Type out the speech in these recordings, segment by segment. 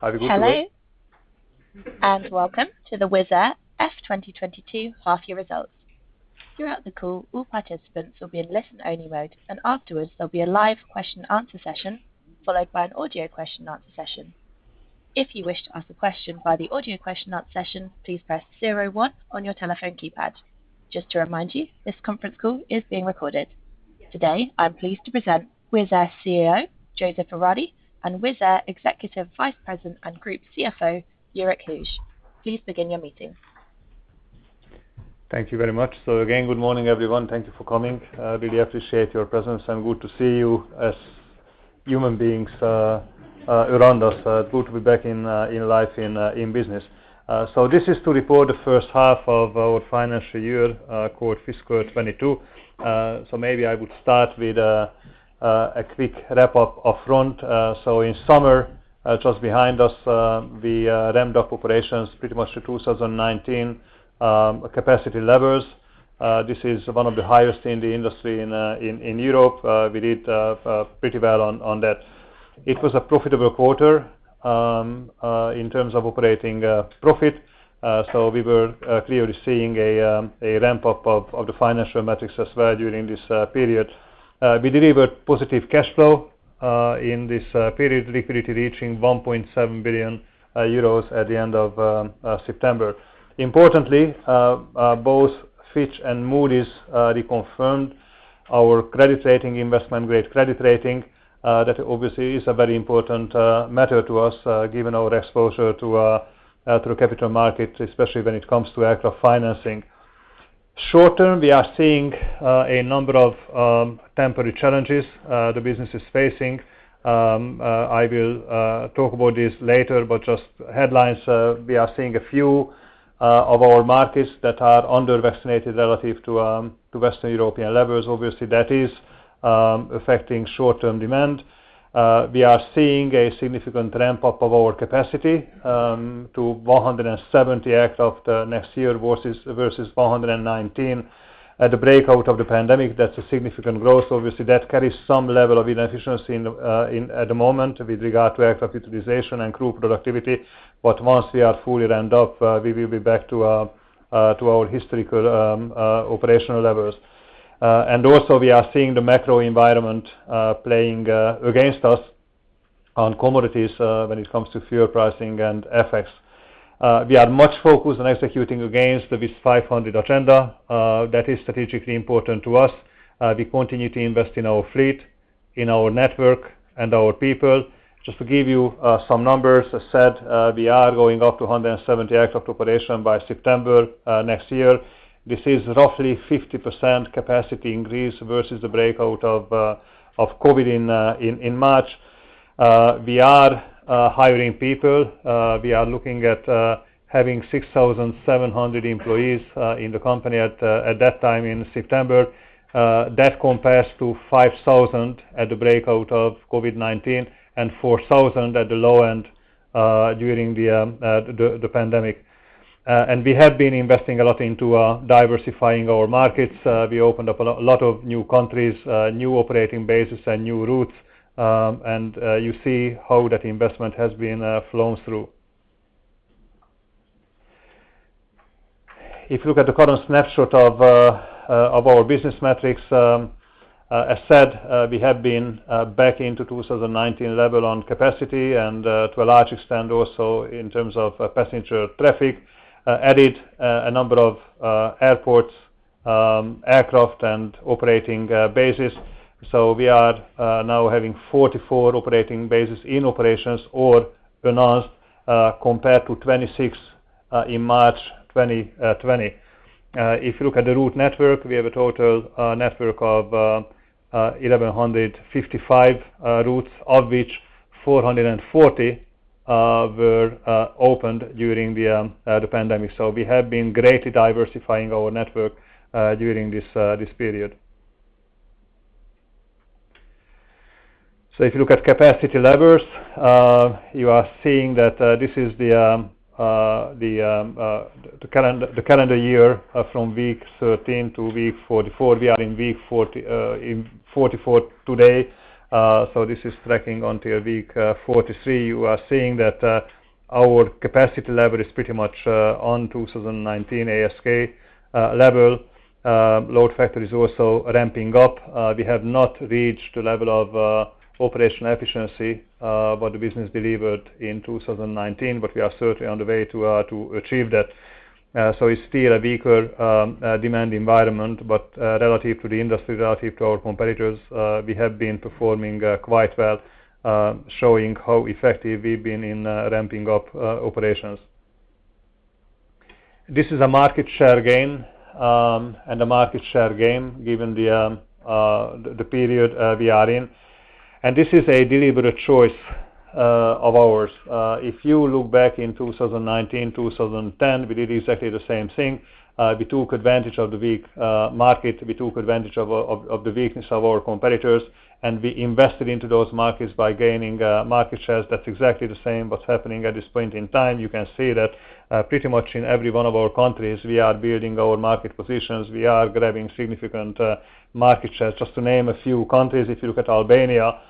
Hello, and welcome to the Wizz Air FY 2022 half-year results. Throughout the call, all participants will be in listen-only mode, and afterwards there'll be a live Q&A session, followed by an audio Q&A session. If you wish to ask a question by the audio Q&A session, please press zero one on your telephone keypad. Just to remind you, this conference call is being recorded. Today, I'm pleased to present Wizz Air CEO József Váradi and Wizz Air Executive Vice President and Group CFO Jourik Hooghe. Please begin your meeting. Thank you very much. Again, good morning, everyone. Thank you for coming. I really appreciate your presence and good to see you as human beings around us. Good to be back in real life in business. This is to report the first half of our financial year called fiscal 2022. Maybe I would start with a quick wrap up of first. In summer just behind us, we ramped up operations pretty much to 2019 capacity levels. This is one of the highest in the industry in Europe. We did pretty well on that. It was a profitable quarter in terms of operating profit. We were clearly seeing a ramp up of the financial metrics as well during this period. We delivered positive cash flow in this period, liquidity reaching 1.7 billion euros at the end of September. Importantly, both Fitch and Moody's reconfirmed our investment-grade credit rating. That obviously is a very important matter to us, given our exposure to capital markets, especially when it comes to aircraft financing. Short-term, we are seeing a number of temporary challenges the business is facing. I will talk about this later, but just headlines. We are seeing a few of our markets that are under-vaccinated relative to Western European levels. Obviously, that is affecting short-term demand. We are seeing a significant ramp up of our capacity to 170 A/C next year versus 119. At the outbreak of the pandemic, that's a significant growth. Obviously, that carries some level of inefficiency at the moment with regard to A/C utilization and group productivity. Once we are fully ramped up, we will be back to our historical operational levels. We are seeing the macro environment playing against us on commodities when it comes to fuel pricing and FX. We are acutely focused on executing against the Wizz 500 agenda that is strategically important to us. We continue to invest in our fleet, in our network and our people. Just to give you some numbers, as said, we are going up to 170 aircraft by September next year. This is roughly 50% capacity increase versus the outbreak of COVID in March. We are hiring people. We are looking at having 6,700 employees in the company at that time in September. That compares to 5,000 at the outbreak of COVID-19 and 4,000 at the low end during the pandemic. We have been investing a lot into diversifying our markets. We opened up a lot of new countries, new operating bases and new routes. You see how that investment has been flowed through. If you look at the current snapshot of our business metrics, as said, we have been back into 2019 level on capacity and to a large extent also in terms of passenger traffic, added a number of airports, aircraft and operating bases. We are now having 44 operating bases in operations or announced, compared to 26 in March 2020. If you look at the route network, we have a total network of 1,155 routes, of which 440 were opened during the pandemic. We have been greatly diversifying our network during this period. If you look at capacity levels, you are seeing that this is the calendar year from week 13 to week 44. We are in week 44 today. This is tracking until week 43. You are seeing that our capacity level is pretty much on 2019 ASK level. Load factor is also ramping up. We have not reached the level of operational efficiency what the business delivered in 2019, but we are certainly on the way to achieve that. It's still a weaker demand environment, but relative to the industry, relative to our competitors, we have been performing quite well, showing how effective we've been in ramping up operations. This is a market share gain, and a market share gain given the period we are in. This is a deliberate choice of ours. If you look back in 2019, 2010, we did exactly the same thing. We took advantage of the weak market. We took advantage of the weakness of our competitors, and we invested into those markets by gaining market shares. That's exactly the same what's happening at this point in time. You can see that pretty much in every one of our countries, we are building our market positions. We are grabbing significant market shares. Just to name a few countries, if you look at Albania,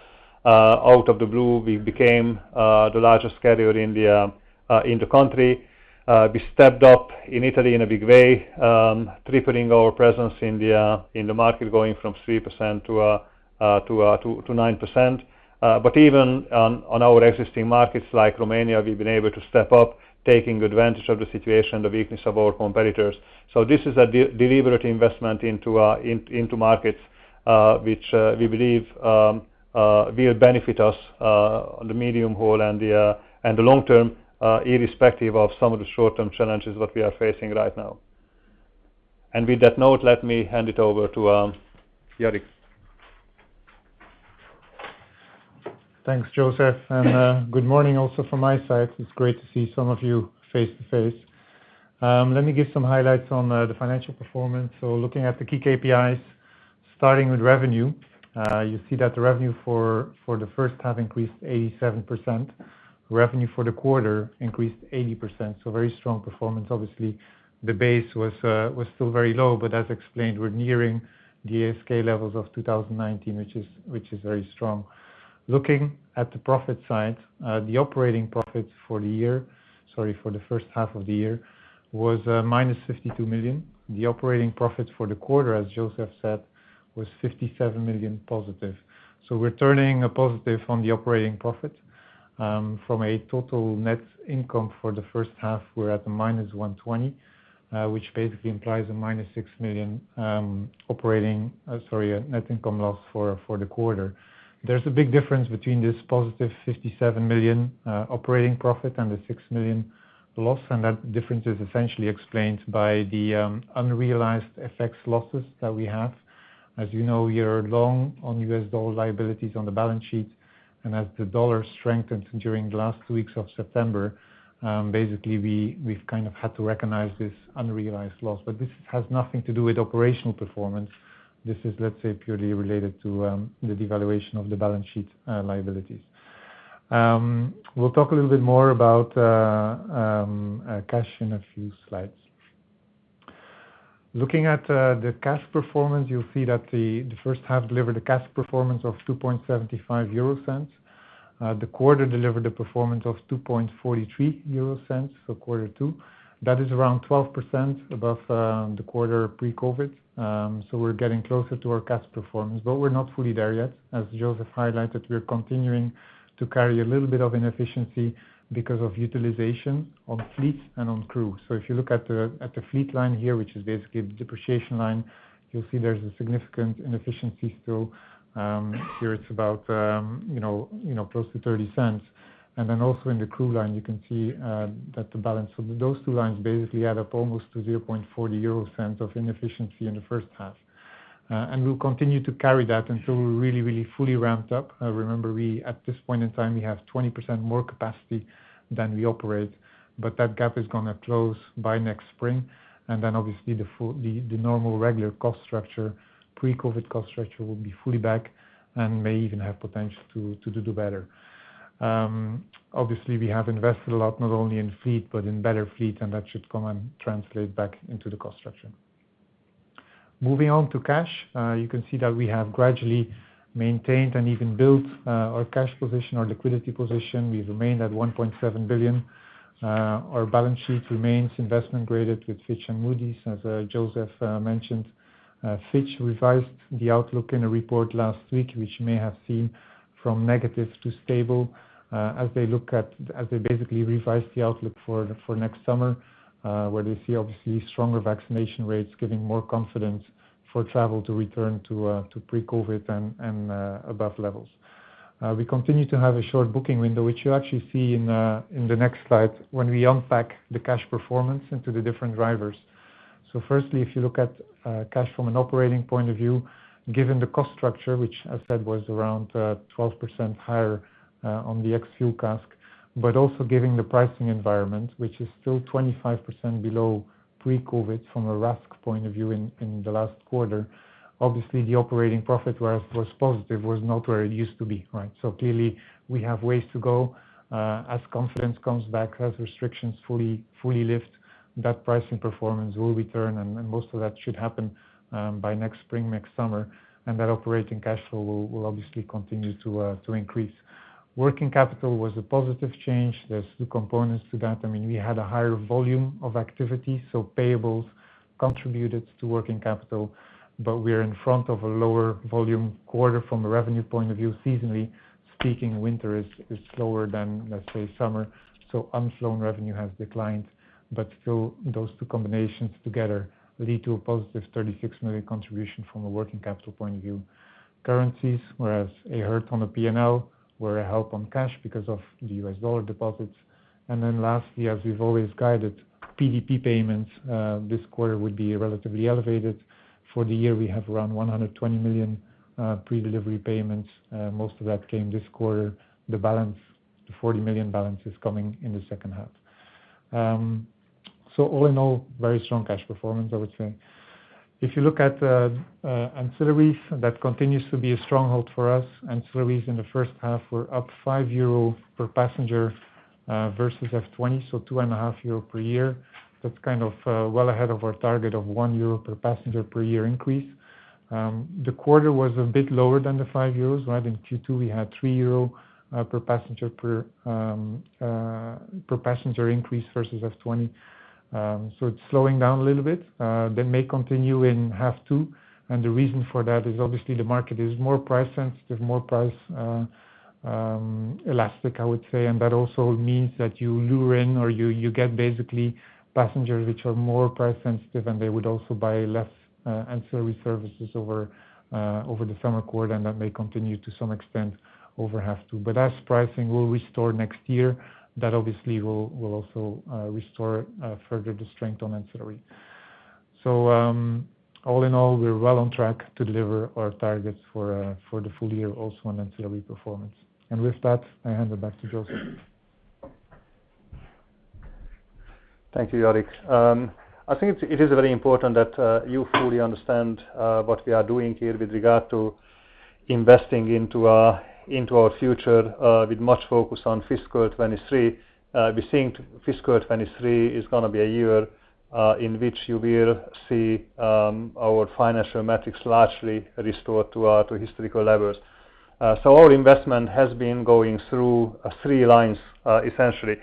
out of the blue, we became the largest carrier in the country. We stepped up in Italy in a big way, tripling our presence in the market, going from 3% to 9%. Even on our existing markets like Romania, we've been able to step up, taking advantage of the situation, the weakness of our competitors. This is a deliberate investment into markets which we believe will benefit us on the medium haul and the long term, irrespective of some of the short-term challenges that we are facing right now. With that note, let me hand it over to Jourik. Thanks, József. Good morning also from my side. It's great to see some of you face to face. Let me give some highlights on the financial performance. Looking at the key KPIs, starting with revenue, you see that the revenue for the first half increased 87%. Revenue for the quarter increased 80%, so very strong performance. Obviously, the base was still very low, but as explained, we're nearing the ASK levels of 2019, which is very strong. Looking at the profit side, the operating profit for the first half of the year was -52 million. The operating profit for the quarter, as József said, was 57 million positive. We're turning a positive on the operating profit from a total net income for the first half. We're at the -120 million, which basically implies a -6 million, operating, sorry, a net income loss for the quarter. There's a big difference between this positive 57 million operating profit and the 6 million loss, and that difference is essentially explained by the unrealized FX losses that we have. As you know, we are long on U.S dollar liabilities on the balance sheet, and as the dollar strengthened during the last two weeks of September, basically we've kind of had to recognize this unrealized loss. This has nothing to do with operational performance. This is, let's say, purely related to the devaluation of the balance sheet liabilities. We'll talk a little bit more about cash in a few slides. Looking at the cash performance, you'll see that the first half delivered a cash performance of 0.0275. The quarter delivered a performance of 0.0243 for quarter two. That is around 12% above the quarter pre-COVID. We're getting closer to our cash performance, but we're not fully there yet. As József highlighted, we are continuing to carry a little bit of inefficiency because of utilization on fleet and on crew. If you look at the fleet line here, which is basically the depreciation line, you'll see there's a significant inefficiency still. Here it's about, you know, close to 0.30. Also in the crew line, you can see that the balance of those two lines basically add up almost to 0.40 euro cents of inefficiency in the first half. We'll continue to carry that until we're really fully ramped up. Remember, at this point in time, we have 20% more capacity than we operate, but that gap is gonna close by next spring. Obviously the full normal regular cost structure, pre-COVID cost structure will be fully back and may even have potential to do better. Obviously we have invested a lot, not only in fleet, but in better fleet, and that should come and translate back into the cost structure. Moving on to cash, you can see that we have gradually maintained and even built our cash position, our liquidity position. We've remained at 1.7 billion. Our balance sheet remains investment grade with Fitch and Moody's, as József mentioned. Fitch revised the outlook in a report last week, which you may have seen, from negative to stable, as they basically revised the outlook for next summer, where they see obviously stronger vaccination rates giving more confidence for travel to return to pre-COVID and above levels. We continue to have a short booking window, which you'll actually see in the next slide when we unpack the cash performance into the different drivers. Firstly, if you look at cash from an operating point of view, given the cost structure, which I said was around 12% higher on the ex-fuel CASK, but also giving the pricing environment, which is still 25% below pre-COVID from a RASK point of view in the last quarter, obviously the operating profit whereas was positive, was not where it used to be, right? Clearly, we have ways to go as confidence comes back, as restrictions fully lift, that pricing performance will return, and most of that should happen by next spring, next summer, and that operating cash flow will obviously continue to increase. Working capital was a positive change. There's two components to that. I mean, we had a higher volume of activity, so payables contributed to working capital, but we're in front of a lower volume quarter from a revenue point of view. Seasonally speaking, winter is slower than, let's say, summer. Unflown revenue has declined, but still those two combinations together lead to a positive 36 million contribution from a working capital point of view. Currencies, whereas a hurt on the P&L, were a help on cash because of the U.S dollar deposits. Lastly, as we've always guided, PDP payments this quarter would be relatively elevated. For the year, we have around 120 million predelivery payments. Most of that came this quarter. The 40 million balance is coming in the second half. All in all, very strong cash performance, I would say. If you look at ancillaries, that continues to be a stronghold for us. Ancillaries in the first half were up 5 euro per passenger versus FY 2020, so 2.5 euro per year. That's kind of well ahead of our target of 1 euro per passenger per year increase. The quarter was a bit lower than the 5 euros, right? In Q2 we had 3 euro per passenger increase versus FY 2020. So it's slowing down a little bit. That may continue in half two, and the reason for that is obviously the market is more price sensitive, more price elastic, I would say. That also means that you lure in or you get basically passengers which are more price sensitive, and they would also buy less ancillary services over the summer quarter, and that may continue to some extent over half two. As pricing will restore next year, that obviously will also restore further the strength on ancillary. All in all, we are well on track to deliver our targets for the full year also on ancillary performance. With that, I hand it back to József. Thank you, Jourik. I think it is very important that you fully understand what we are doing here with regard to investing into our future with much focus on fiscal 2023. We think fiscal 2023 is gonna be a year in which you will see our financial metrics largely restored to historical levels. Our investment has been going through three lines essentially.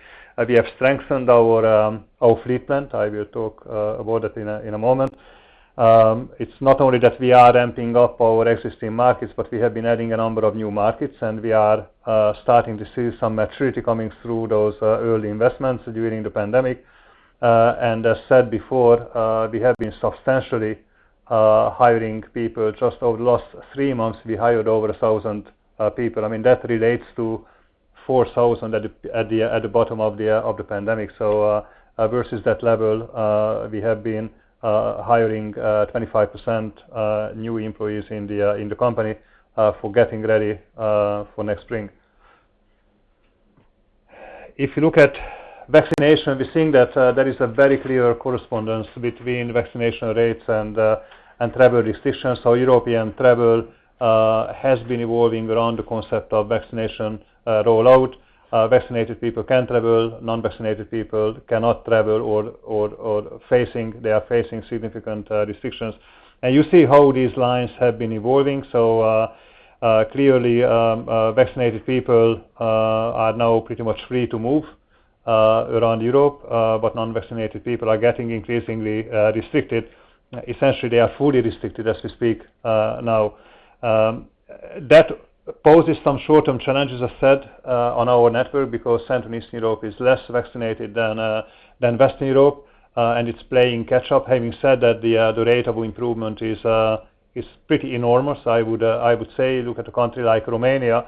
We have strengthened our fleet plan. I will talk about that in a moment. It's not only that we are ramping up our existing markets, but we have been adding a number of new markets, and we are starting to see some maturity coming through those early investments during the pandemic. As said before, we have been substantially hiring people. Just over the last three months, we hired over 1,000 people. I mean, that relates to 4,000 at the bottom of the pandemic. Versus that level, we have been hiring 25% new employees in the company for getting ready for next spring. If you look at vaccination, we're seeing that there is a very clear correspondence between vaccination rates and travel restrictions. European travel has been evolving around the concept of vaccination rollout. Vaccinated people can travel, non-vaccinated people cannot travel or they are facing significant restrictions. You see how these lines have been evolving. Clearly, vaccinated people are now pretty much free to move around Europe, but non-vaccinated people are getting increasingly restricted. Essentially, they are fully restricted as we speak now. That poses some short-term challenges, I've said, on our network because Central and Eastern Europe is less vaccinated than Western Europe, and it's playing catch-up. Having said that, the rate of improvement is pretty enormous. I would say look at a country like Romania.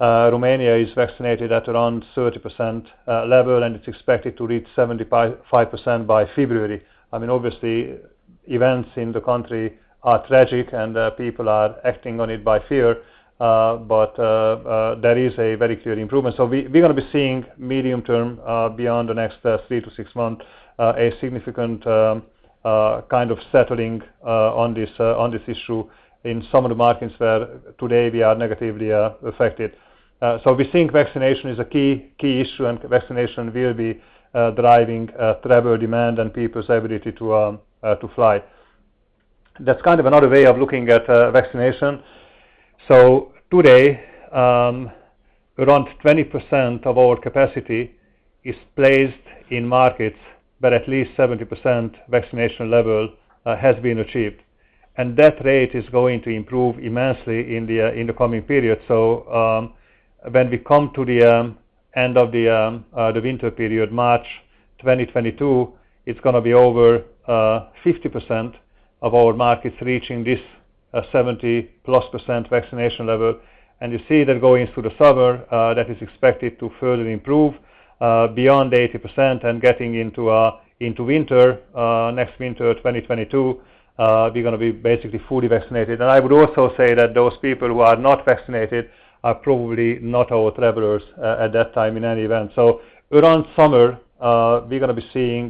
Romania is vaccinated at around 30% level, and it's expected to reach 75% by February. I mean, obviously, events in the country are tragic, and people are acting on it by fear, but there is a very clear improvement. We're gonna be seeing medium term beyond the next 3-6 months a significant kind of settling on this issue in some of the markets where today we are negatively affected. We think vaccination is a key issue, and vaccination will be driving travel demand and people's ability to fly. That's kind of another way of looking at vaccination. Today, around 20% of our capacity is placed in markets, but at least 70% vaccination level has been achieved. That rate is going to improve immensely in the coming period. When we come to the end of the winter period, March 2022, it's gonna be over 50% of our markets reaching this 70%+ vaccination level. You see that going through the summer, that is expected to further improve beyond 80% and getting into winter, next winter, 2022, we're gonna be basically fully vaccinated. I would also say that those people who are not vaccinated are probably not our travelers at that time in any event. Around summer, we're gonna be seeing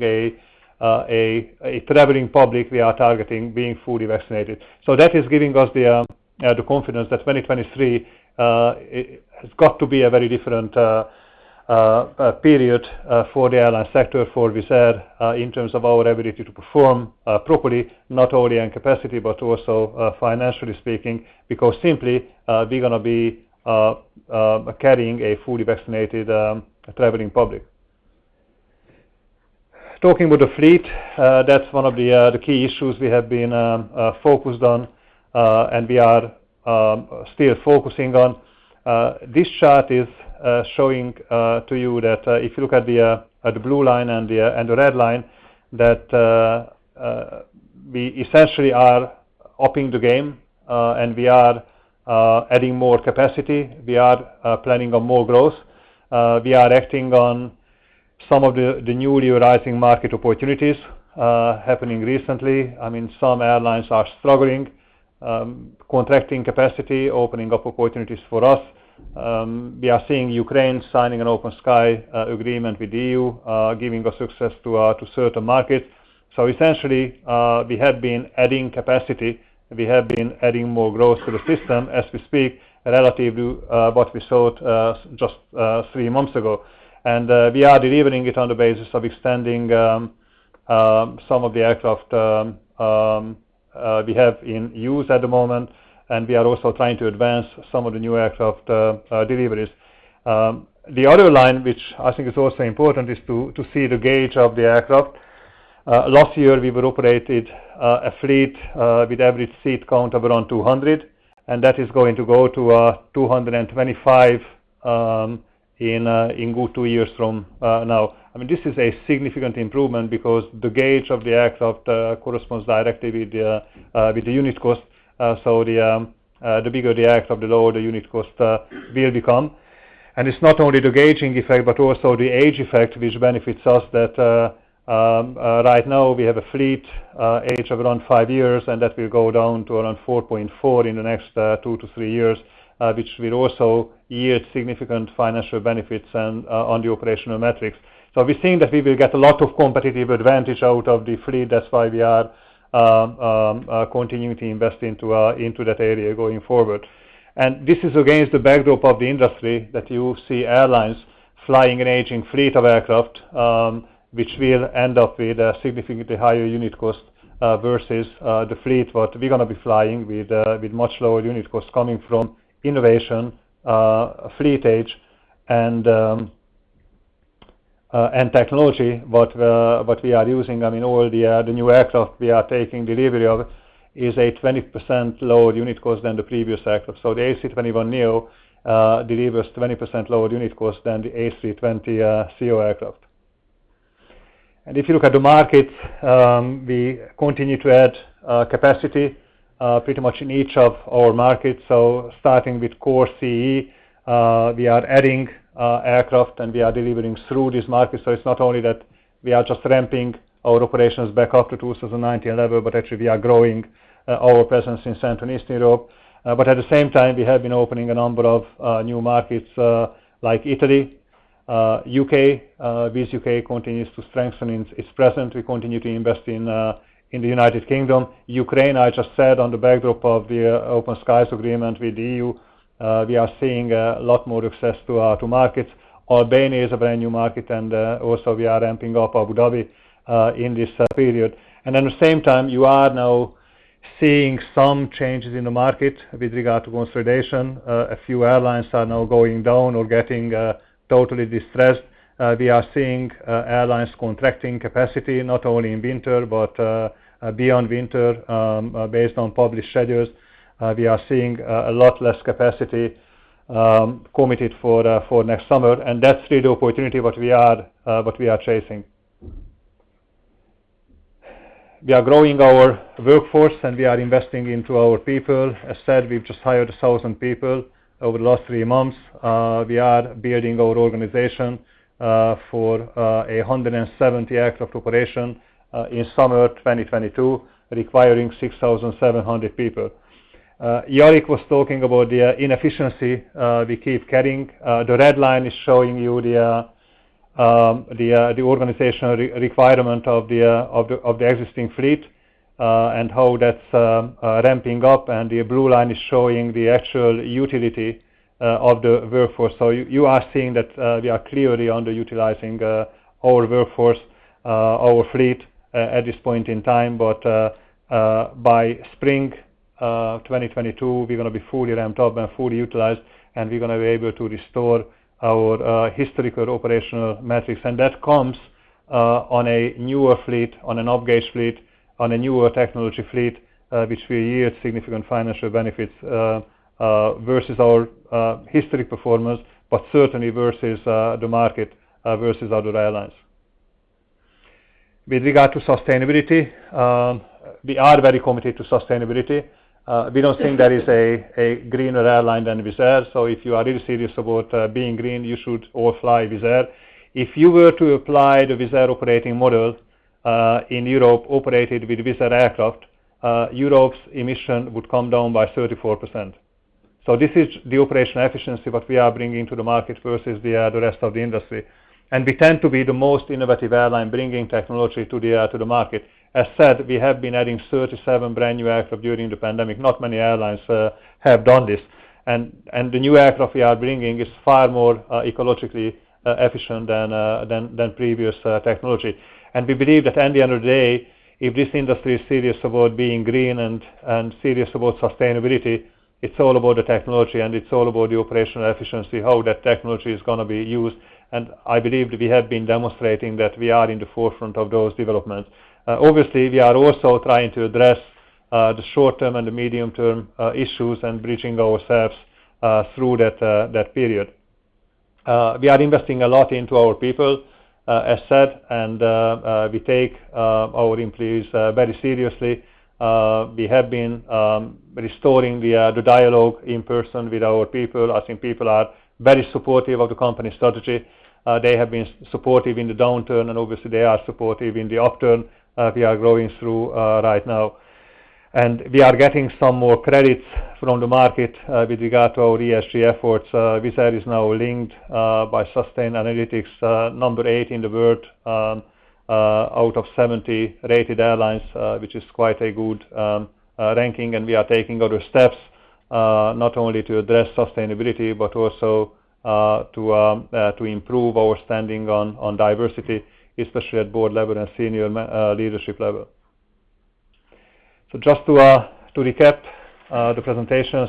a traveling public we are targeting being fully vaccinated. That is giving us the confidence that 2023 it has got to be a very different period for the airline sector, for Wizz Air, in terms of our ability to perform properly, not only in capacity, but also financially speaking, because simply we're gonna be carrying a fully vaccinated traveling public. Talking about the fleet, that's one of the key issues we have been focused on and we are still focusing on. This chart is showing to you that if you look at the blue line and the red line, that we essentially are upping the game and we are adding more capacity. We are planning on more growth. We are acting on some of the newly rising market opportunities happening recently. I mean, some airlines are struggling, contracting capacity, opening up opportunities for us. We are seeing Ukraine signing an Open Skies agreement with EU, giving us access to certain markets. Essentially, we have been adding capacity. We have been adding more growth to the system as we speak, relative to what we sold just three months ago. We are delivering it on the basis of extending some of the aircraft we have in use at the moment, and we are also trying to advance some of the new aircraft deliveries. The other line, which I think is also important, is to see the gauge of the aircraft. Last year, we've operated a fleet with average seat count of around 200, and that is going to go to 225 in the next two years from now. I mean, this is a significant improvement because the gauge of the aircraft corresponds directly with the unit cost. The bigger the aircraft, the lower the unit cost will become. It's not only the gauging effect, but also the age effect, which benefits us that right now we have a fleet age of around five years, and that will go down to around 4.4 in the next two-three years, which will also yield significant financial benefits and on the operational metrics. We think that we will get a lot of competitive advantage out of the fleet. That's why we are continuing to invest into that area going forward. This is against the backdrop of the industry that you see airlines flying an aging fleet of aircraft, which will end up with a significantly higher unit cost, versus the fleet what we're gonna be flying with much lower unit costs coming from innovation, fleet age and technology what we are using. I mean, all the new aircraft we are taking delivery of is a 20% lower unit cost than the previous aircraft. The A321neo delivers 20% lower unit cost than the A320ceo aircraft. If you look at the markets, we continue to add capacity pretty much in each of our markets. Starting with core CEE, we are adding aircraft and we are delivering through this market. It's not only that we are just ramping our operations back up to 2019 level, but actually we are growing our presence in Central and Eastern Europe. At the same time, we have been opening a number of new markets like Italy, U.K. Wizz Air UK continues to strengthen its presence. We continue to invest in the United Kingdom. Ukraine, I just said on the backdrop of the Open Skies agreement with the EU, we are seeing a lot more access to our markets. Albania is a brand-new market and also we are ramping up Abu Dhabi in this period. At the same time, you are now seeing some changes in the market with regard to consolidation. A few airlines are now going down or getting totally distressed. We are seeing airlines contracting capacity not only in winter, but beyond winter. Based on published schedules, we are seeing a lot less capacity committed for next summer. That's really the opportunity that we are chasing. We are growing our workforce and we are investing into our people. As said, we've just hired 1,000 people over the last three months. We are building our organization for a 170 aircraft operation in summer 2022, requiring 6,700 people. Jourik was talking about the inefficiency we keep getting. The red line is showing you the organizational requirement of the existing fleet and how that's ramping up. The blue line is showing the actual utility of the workforce. You are seeing that we are clearly underutilizing our workforce, our fleet at this point in time. By spring 2022, we're gonna be fully ramped up and fully utilized, and we're gonna be able to restore our historical operational metrics. That comes on a newer fleet, on an upgauge fleet, on a newer technology fleet, which will yield significant financial benefits versus our historic performance, but certainly versus the market, versus other airlines. With regard to sustainability, we are very committed to sustainability. We don't think there is a greener airline than Wizz Air. If you are really serious about being green, you should all fly Wizz Air. If you were to apply the Wizz Air operating model in Europe, operated with Wizz Air aircraft, Europe's emission would come down by 34%. This is the operational efficiency what we are bringing to the market versus the rest of the industry. We tend to be the most innovative airline bringing technology to the market. As said, we have been adding 37 brand-new aircraft during the pandemic. Not many airlines have done this. The new aircraft we are bringing is far more ecologically efficient than previous technology. We believe that at the end of the day, if this industry is serious about being green and serious about sustainability, it's all about the technology and it's all about the operational efficiency, how that technology is gonna be used. I believe we have been demonstrating that we are in the forefront of those developments. Obviously, we are also trying to address the short-term and the medium-term issues and bridging ourselves through that period. We are investing a lot into our people, as said, and we take our employees very seriously. We have been restoring the dialogue in person with our people. I think people are very supportive of the company strategy. They have been supportive in the downturn, and obviously they are supportive in the upturn we are going through right now. We are getting some more credits from the market with regard to our ESG efforts. Wizz Air is now linked by Sustainalytics number eight in the world out of 70 rated airlines, which is quite a good ranking. We are taking other steps not only to address sustainability, but also to improve our standing on diversity, especially at board level and senior leadership level. Just to recap the presentation.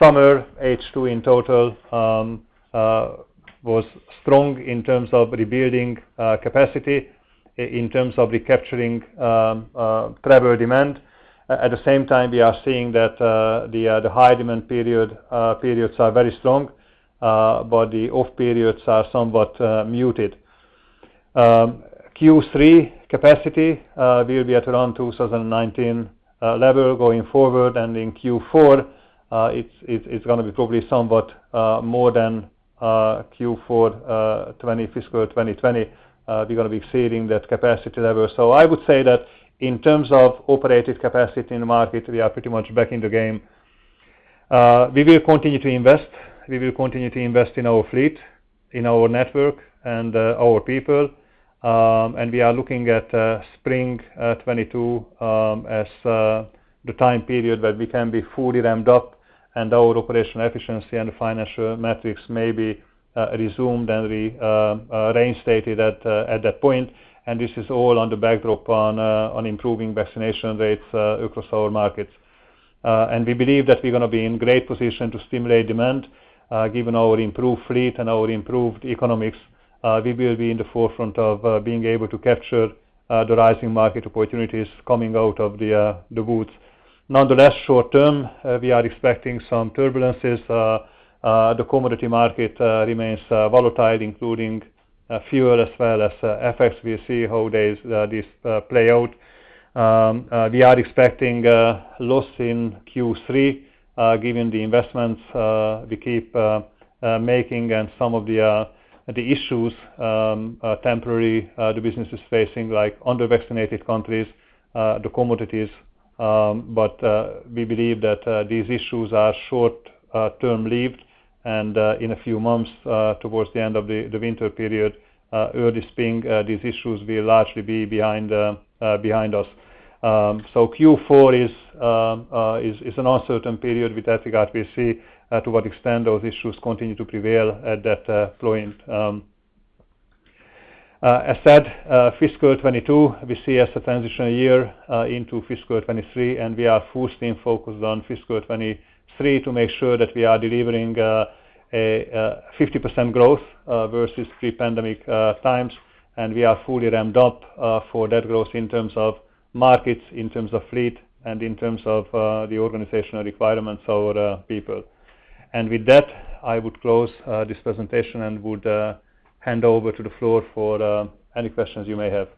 Summer H2 in total was strong in terms of rebuilding capacity in terms of recapturing travel demand. At the same time, we are seeing that the high demand periods are very strong, but the off periods are somewhat muted. Q3 capacity will be at around 2019 level going forward. In Q4, it's gonna be probably somewhat more than Q4 fiscal 2020. We're gonna be exceeding that capacity level. I would say that in terms of operating capacity in the market, we are pretty much back in the game. We will continue to invest. We will continue to invest in our fleet, in our network, and our people. We are looking at spring 2022 as the time period where we can be fully ramped up, and our operational efficiency and financial metrics may be resumed and reinstated at that point. This is all on the backdrop of improving vaccination rates across our markets. We believe that we're gonna be in great position to stimulate demand given our improved fleet and our improved economics, we will be in the forefront of being able to capture the rising market opportunities coming out of the woods. Nonetheless, short term, we are expecting some turbulences. The commodity market remains volatile, including fuel as well as FX. We'll see how this plays out. We are expecting a loss in Q3 given the investments we keep making and some of the temporary issues the business is facing, like undervaccinated countries, the commodities. We believe that these issues are short-lived, and in a few months towards the end of the winter period early spring these issues will largely be behind us. Q4 is an uncertain period with regard, we see, to what extent those issues continue to prevail at that point. As said, fiscal 2022, we see as a transitional year into fiscal 2023, and we are full steam focused on fiscal 2023 to make sure that we are delivering a 50% growth versus pre-pandemic times, and we are fully ramped up for that growth in terms of markets, in terms of fleet, and in terms of the organizational requirements of our people. With that, I would close this presentation and would hand over to the floor for any questions you may have.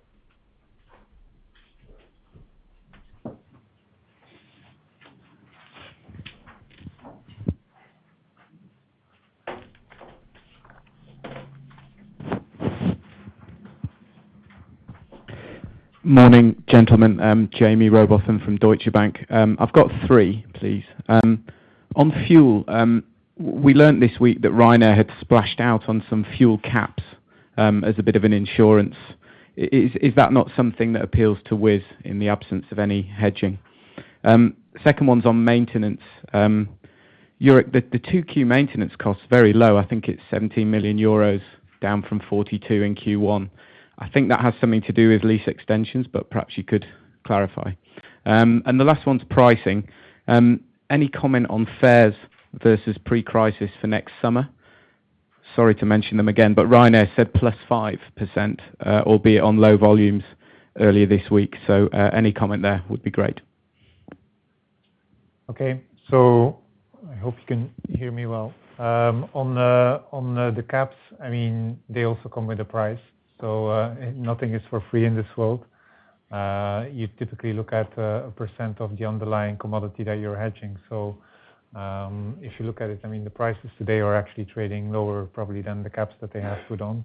Morning, gentlemen. I'm Jaime Rowbotham from Deutsche Bank. I've got three, please. On fuel, we learned this week that Ryanair had splashed out on some fuel caps as a bit of an insurance. Is that not something that appeals to Wizz in the absence of any hedging? Second one's on maintenance. Your Q2 maintenance costs very low. I think it's 70 million euros down from 42 million in Q1. I think that has something to do with lease extensions, but perhaps you could clarify. And the last one's pricing. Any comment on fares versus pre-crisis for next summer? Sorry to mention them again, but Ryanair said plus 5%, albeit on low volumes earlier this week. Any comment there would be great. Okay. I hope you can hear me well. On the caps, I mean, they also come with a price. Nothing is for free in this world. You typically look at a percent of the underlying commodity that you're hedging. If you look at it, I mean, the prices today are actually trading lower probably than the caps that they have put on.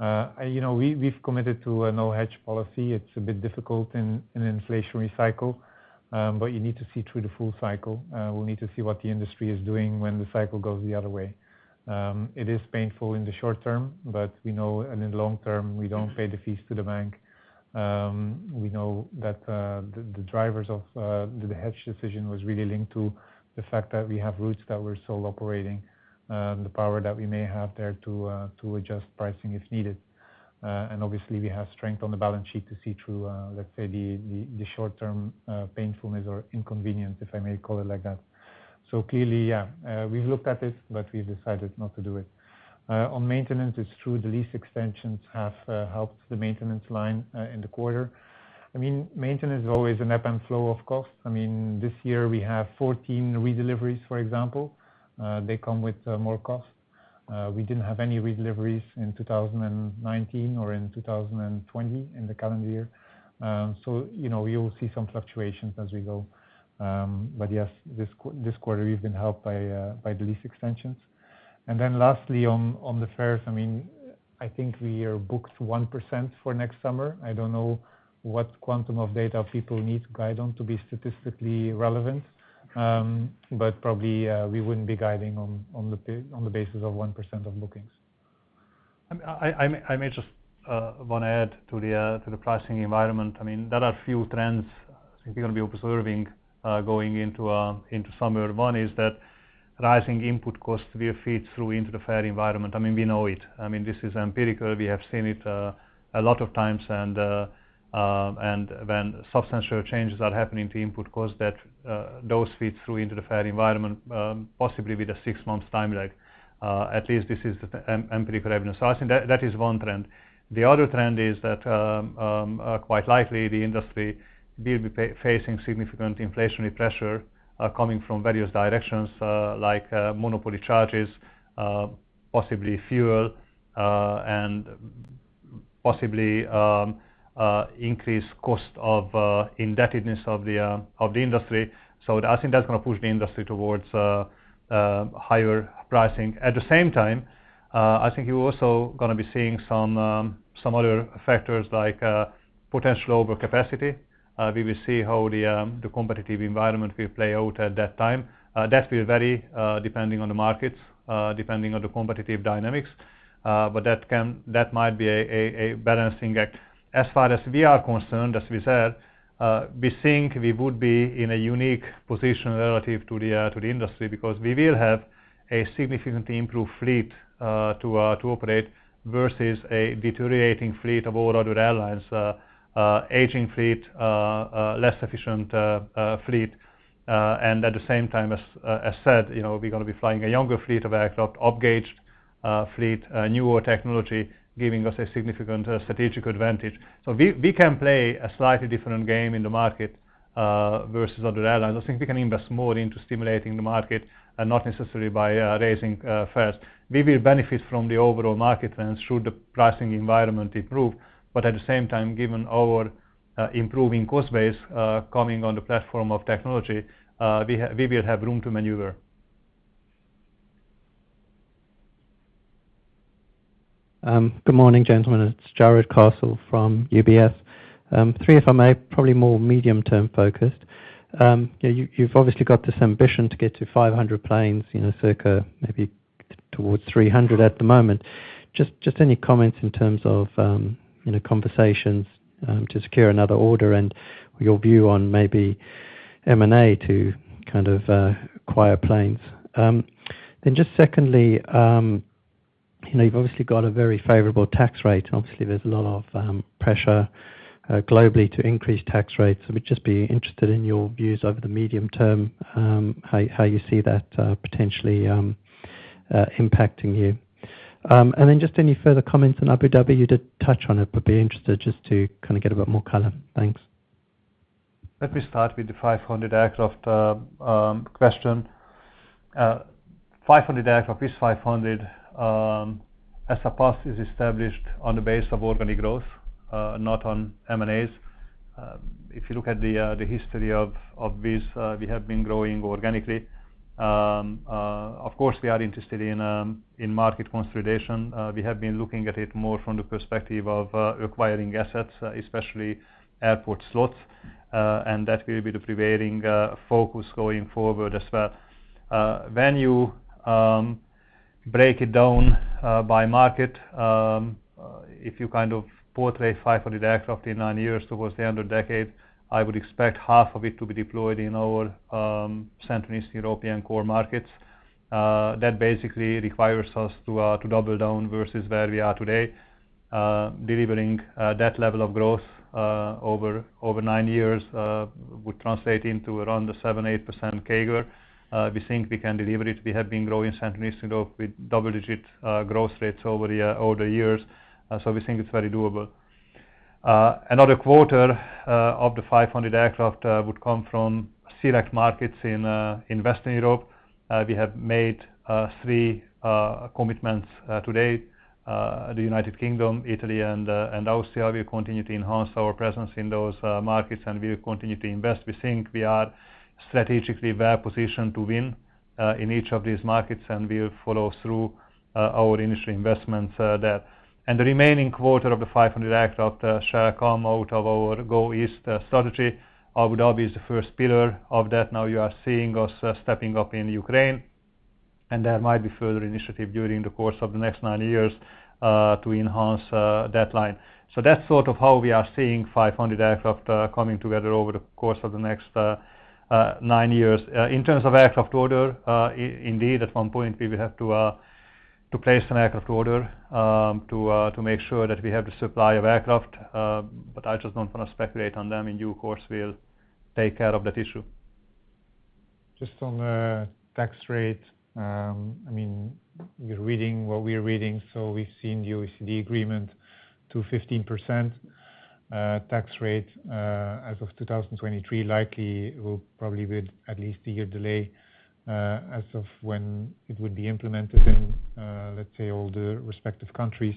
You know, we've committed to a no hedge policy. It's a bit difficult in an inflationary cycle, but you need to see through the full cycle. We'll need to see what the industry is doing when the cycle goes the other way. It is painful in the short term, but we know in the long term, we don't pay the fees to the bank. We know that the drivers of the hedge decision was really linked to the fact that we have routes that we're still operating, the power that we may have there to adjust pricing if needed. Obviously, we have strength on the balance sheet to see through, let's say, the short term painfulness or inconvenience, if I may call it like that. Clearly, yeah, we looked at it, but we decided not to do it. On maintenance, it's true the lease extensions have helped the maintenance line in the quarter. I mean, maintenance is always an ebb and flow of cost. I mean, this year we have 14 redeliveries, for example. They come with more cost. We didn't have any redeliveries in 2019 or in 2020, in the current year. You know, we will see some fluctuations as we go. Yes, this quarter, we've been helped by the lease extensions. Lastly, on the fares, I mean. I think we are booked 1% for next summer. I don't know what quantum of data people need to guide on to be statistically relevant, but probably we wouldn't be guiding on the basis of 1% of bookings. I may just want to add to the pricing environment. I mean, there are a few trends we're gonna be observing going into summer. One is that rising input costs will feed through into the fare environment. I mean, we know it. I mean, this is empirical. We have seen it a lot of times and when substantial changes are happening to input costs those feed through into the fare environment, possibly with a six-month time lag, at least this is the empirical evidence. I think that is one trend. The other trend is that quite likely the industry will be facing significant inflationary pressure coming from various directions, like monopoly charges, possibly fuel, and possibly increased cost of indebtedness of the industry. I think that's gonna push the industry towards higher pricing. At the same time, I think you're also gonna be seeing some other factors like potential overcapacity. We will see how the competitive environment will play out at that time. That will vary depending on the markets, depending on the competitive dynamics, but that might be a balancing act. As far as we are concerned, as we said, we think we would be in a unique position relative to the industry because we will have a significantly improved fleet to operate versus a deteriorating fleet of older airlines, aging fleet, less efficient fleet. At the same time, as said, you know, we're gonna be flying a younger fleet of aircraft, up-gauged fleet, newer technology, giving us a significant strategic advantage. We can play a slightly different game in the market versus other airlines. I think we can invest more into stimulating the market and not necessarily by raising fares. We will benefit from the overall market trends should the pricing environment improve, but at the same time, given our improving cost base, coming on the platform of technology, we will have room to maneuver. Good morning, gentlemen. It's Jarrod Castle from UBS. Three if I may, probably more medium-term focused. Yeah, you've obviously got this ambition to get to 500 planes, you know, circa maybe towards 300 at the moment. Just any comments in terms of, you know, conversations to secure another order and your view on maybe M&A to kind of acquire planes. Then just secondly, you know, you've obviously got a very favorable tax rate. Obviously, there's a lot of pressure globally to increase tax rates. I would just be interested in your views over the medium term, how you see that potentially impacting you. And then just any further comments on Abu Dhabi. You did touch on it, but be interested just to kind of get a bit more color. Thanks. Let me start with the 500 aircraft question. 500 aircraft is established on the base of organic growth, not on M&As. If you look at the history of Wizz, we have been growing organically. Of course, we are interested in market consolidation. We have been looking at it more from the perspective of acquiring assets, especially airport slots, and that will be the prevailing focus going forward as well. When you break it down by market, if you kind of portray 500 aircraft in 9 years towards the end of the decade, I would expect half of it to be deployed in our Central and Eastern European core markets. That basically requires us to double down versus where we are today. Delivering that level of growth over nine years would translate into around a 7%-8% CAGR. We think we can deliver it. We have been growing Central and Eastern Europe with double-digit growth rates over the years, so we think it's very doable. Another quarter of the 500 aircraft would come from select markets in Western Europe. We have made three commitments to date, the United Kingdom, Italy, and Austria. We continue to enhance our presence in those markets, and we will continue to invest. We think we are strategically well-positioned to win in each of these markets, and we'll follow through our industry investments there. The remaining quarter of the 500 aircraft shall come out of our Go East strategy. Abu Dhabi is the first pillar of that. Now you are seeing us stepping up in Ukraine, and there might be further initiative during the course of the next nine years to enhance that line. That's sort of how we are seeing 500 aircraft coming together over the course of the next nine years. In terms of aircraft order, indeed, at one point, we will have to place an aircraft order to make sure that we have the supply of aircraft, but I just don't want to speculate on them. In due course we'll take care of that issue. Just on the tax rate, I mean, you're reading what we're reading, so we've seen the OECD agreement to 15% tax rate, as of 2023. Likely will probably be at least a year delay, as of when it would be implemented in, let's say, all the respective countries.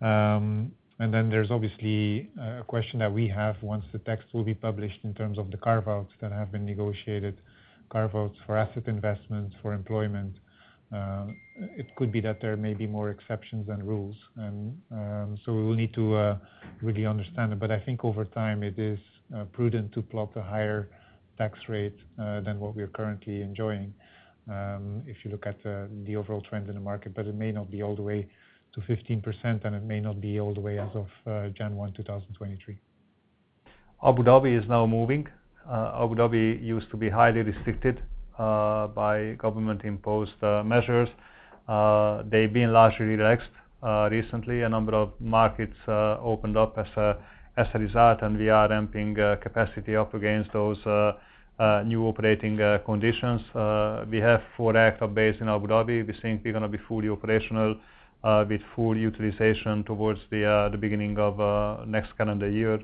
Then there's obviously a question that we have once the tax will be published in terms of the carve-outs that have been negotiated, carve-outs for asset investments, for employment. It could be that there may be more exceptions than rules and, so we will need to really understand it. I think over time it is prudent to plot the higher tax rate than what we are currently enjoying, if you look at the overall trends in the market. It may not be all the way to 15%, and it may not be all the way as of January 1, 2023. Abu Dhabi is now moving. Abu Dhabi used to be highly restricted by government-imposed measures. They've been largely relaxed recently. A number of markets opened up as a result, and we are ramping capacity up against those new operating conditions. We have four aircraft based in Abu Dhabi. We think we're gonna be fully operational with full utilization towards the beginning of next calendar year,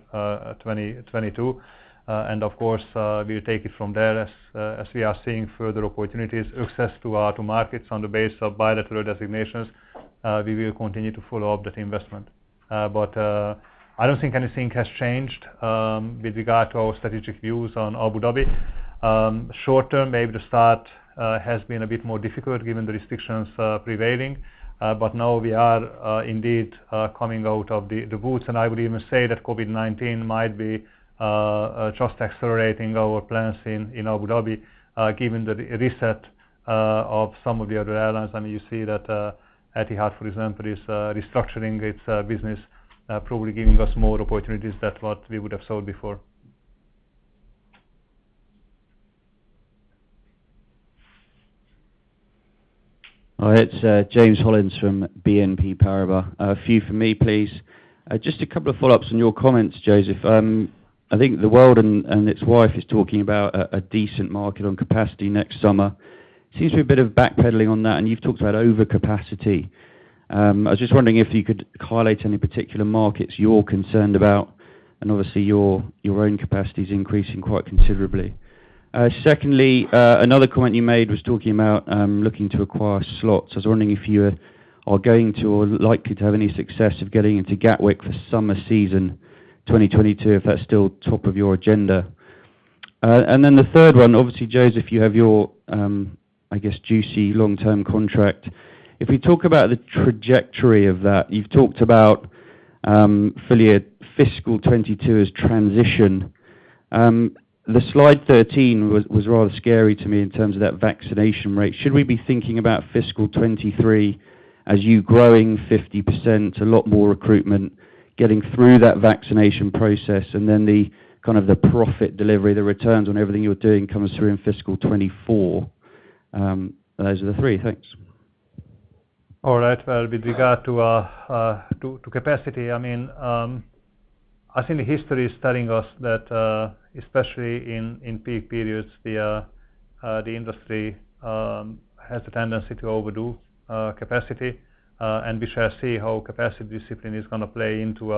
2022. Of course, we'll take it from there as we are seeing further opportunities. Access to markets on the basis of bilateral designations, we will continue to follow up that investment. I don't think anything has changed with regard to our strategic views on Abu Dhabi. Short-term, maybe the start has been a bit more difficult given the restrictions prevailing. Now we are indeed coming out of the woods, and I would even say that COVID-19 might be just accelerating our plans in Abu Dhabi, given the reset of some of the other airlines. I mean, you see that Etihad Airways, for example, is restructuring its business, probably giving us more opportunities than what we would have sold before. All right. It's James Hollins from Exane BNP Paribas. A few from me, please. Just a couple of follow-ups on your comments, Joseph. I think the world and its wife is talking about a decent market on capacity next summer. Seems to be a bit of backpedaling on that, and you've talked about overcapacity. I was just wondering if you could highlight any particular markets you're concerned about, and obviously your own capacity is increasing quite considerably. Secondly, another comment you made was talking about looking to acquire slots. I was wondering if you are going to or likely to have any success of getting into Gatwick for summer season 2022, if that's still top of your agenda. And then the third one, obviously, Joseph, you have your, I guess, juicy long-term contract. If we talk about the trajectory of that, you've talked about FY 2022 as transition. The slide 13 was rather scary to me in terms of that vaccination rate. Should we be thinking about fiscal 2023 as you growing 50%, a lot more recruitment, getting through that vaccination process, and then the kind of the profit delivery, the returns on everything you're doing comes through in fiscal 2024? Those are the three. Thanks. All right. Well, with regard to capacity, I mean, I think history is telling us that, especially in peak periods, the industry has the tendency to overdo capacity. We shall see how capacity discipline is gonna play into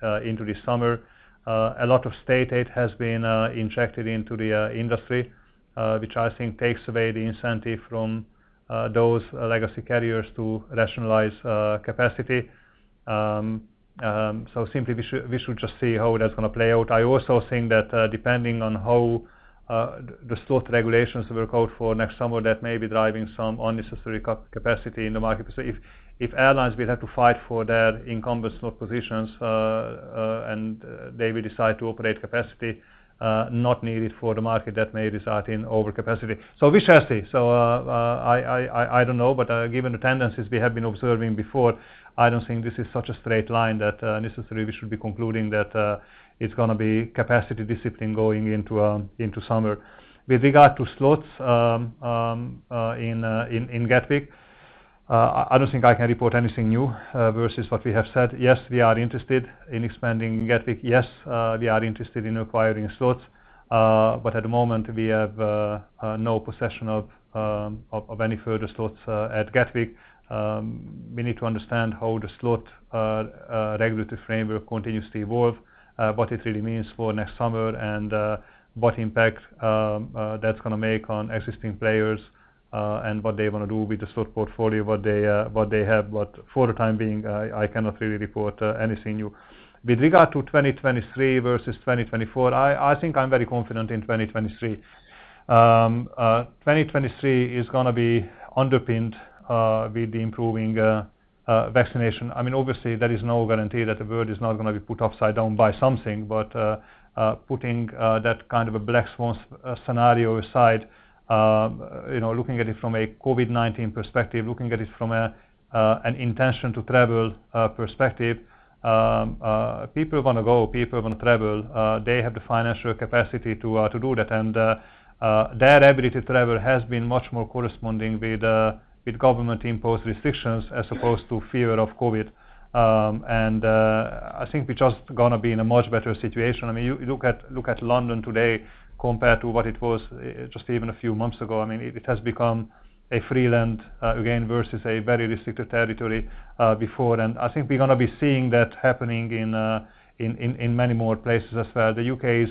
the summer. A lot of state aid has been injected into the industry, which I think takes away the incentive from those legacy carriers to rationalize capacity. Simply, we should just see how that's gonna play out. I also think that, depending on how the slot regulations will call for next summer, that may be driving some unnecessary capacity in the market. If airlines will have to fight for their incumbent slot positions, and they will decide to operate capacity not needed for the market, that may result in overcapacity. We shall see. I don't know, but given the tendencies we have been observing before, I don't think this is such a straight line that necessarily we should be concluding that it's gonna be capacity discipline going into summer. With regard to slots, in Gatwick, I don't think I can report anything new versus what we have said. Yes, we are interested in expanding Gatwick. Yes, we are interested in acquiring slots. But at the moment, we have no possession of any further slots at Gatwick. We need to understand how the slot regulatory framework continues to evolve, what it really means for next summer and what impact that's gonna make on existing players, and what they wanna do with the slot portfolio, what they have. For the time being, I cannot really report anything new. With regard to 2023 versus 2024, I think I'm very confident in 2023. 2023 is gonna be underpinned with the improving vaccination. I mean, obviously there is no guarantee that the world is not gonna be put upside down by something. Putting that kind of a black swan scenario aside, you know, looking at it from a COVID-19 perspective, looking at it from an intention to travel perspective, people wanna go, people wanna travel. They have the financial capacity to do that. Their ability to travel has been much more corresponding with government-imposed restrictions as opposed to fear of COVID. I think we're just gonna be in a much better situation. I mean, you look at London today compared to what it was just even a few months ago. I mean, it has become a free land again versus a very restricted territory before. I think we're gonna be seeing that happening in many more places as well. The U.K. is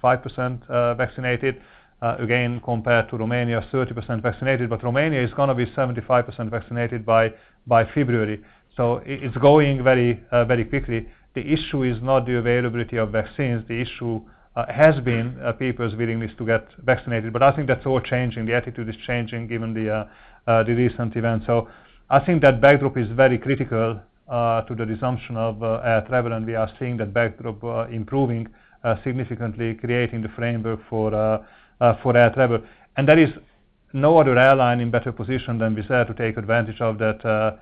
85% vaccinated again, compared to Romania, 30% vaccinated. Romania is gonna be 75% vaccinated by February. It's going very quickly. The issue is not the availability of vaccines, the issue has been people's willingness to get vaccinated. I think that's all changing. The attitude is changing given the recent events. I think that backdrop is very critical to the resumption of air travel, and we are seeing that backdrop improving significantly, creating the framework for air travel. No other airline in better position than Wizz Air to take advantage of that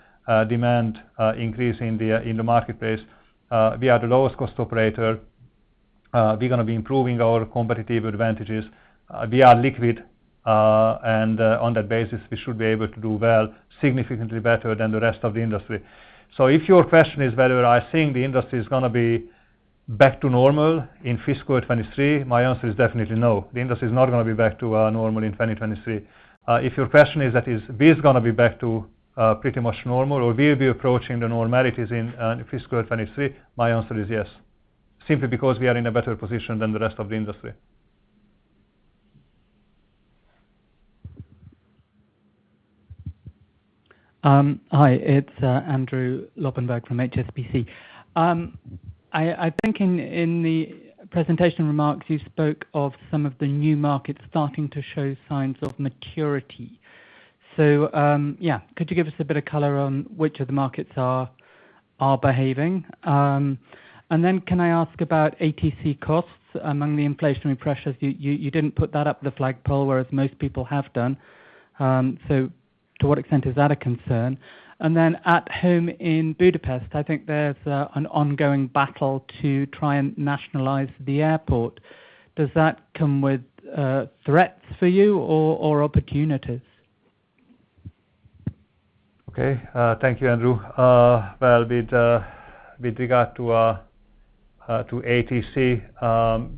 demand increase in the marketplace. We are the lowest cost operator. We're gonna be improving our competitive advantages. We are liquid, and on that basis, we should be able to do well, significantly better than the rest of the industry. If your question is whether I think the industry is gonna be back to normal in fiscal 2023, my answer is definitely no. The industry is not gonna be back to normal in 2023. If your question is that Wizz is gonna be back to pretty much normal, or Wizz be approaching the normalities in fiscal 2023, my answer is yes, simply because we are in a better position than the rest of the industry. Hi. It's Andrew Lobbenberg from HSBC. I think in the presentation remarks you spoke of some of the new markets starting to show signs of maturity. Yeah, could you give us a bit of color on which of the markets are behaving? Can I ask about ATC costs among the inflationary pressures? You didn't put that up the flagpole, whereas most people have done. To what extent is that a concern? At home in Budapest, I think there's an ongoing battle to try and nationalize the airport. Does that come with threats for you or opportunities? Okay. Thank you, Andrew. Well, with regard to ATC,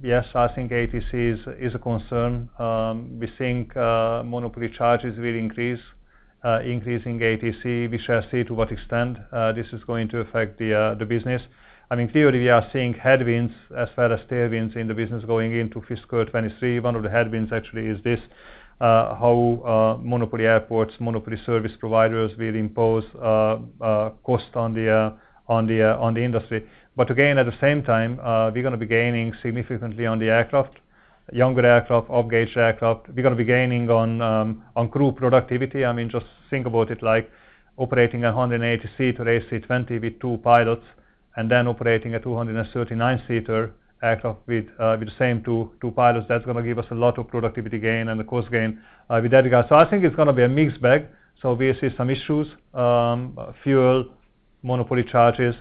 yes, I think ATC is a concern. We think monopoly charges will increase, increasing ATC. We shall see to what extent this is going to affect the business. I mean, theoretically, we are seeing headwinds as well as tailwinds in the business going into fiscal 2023. One of the headwinds actually is this, how monopoly airports, monopoly service providers will impose cost on the industry. Again, at the same time, we're gonna be gaining significantly on the aircraft, younger aircraft, off-gauge aircraft. We're gonna be gaining on crew productivity. I mean, just think about it like operating a 180-seater A320 with two pilots and then operating a 239-seater aircraft with the same two pilots. That's gonna give us a lot of productivity gain and the cost gain with that regard. I think it's gonna be a mixed bag. We see some issues, fuel, monopoly charges,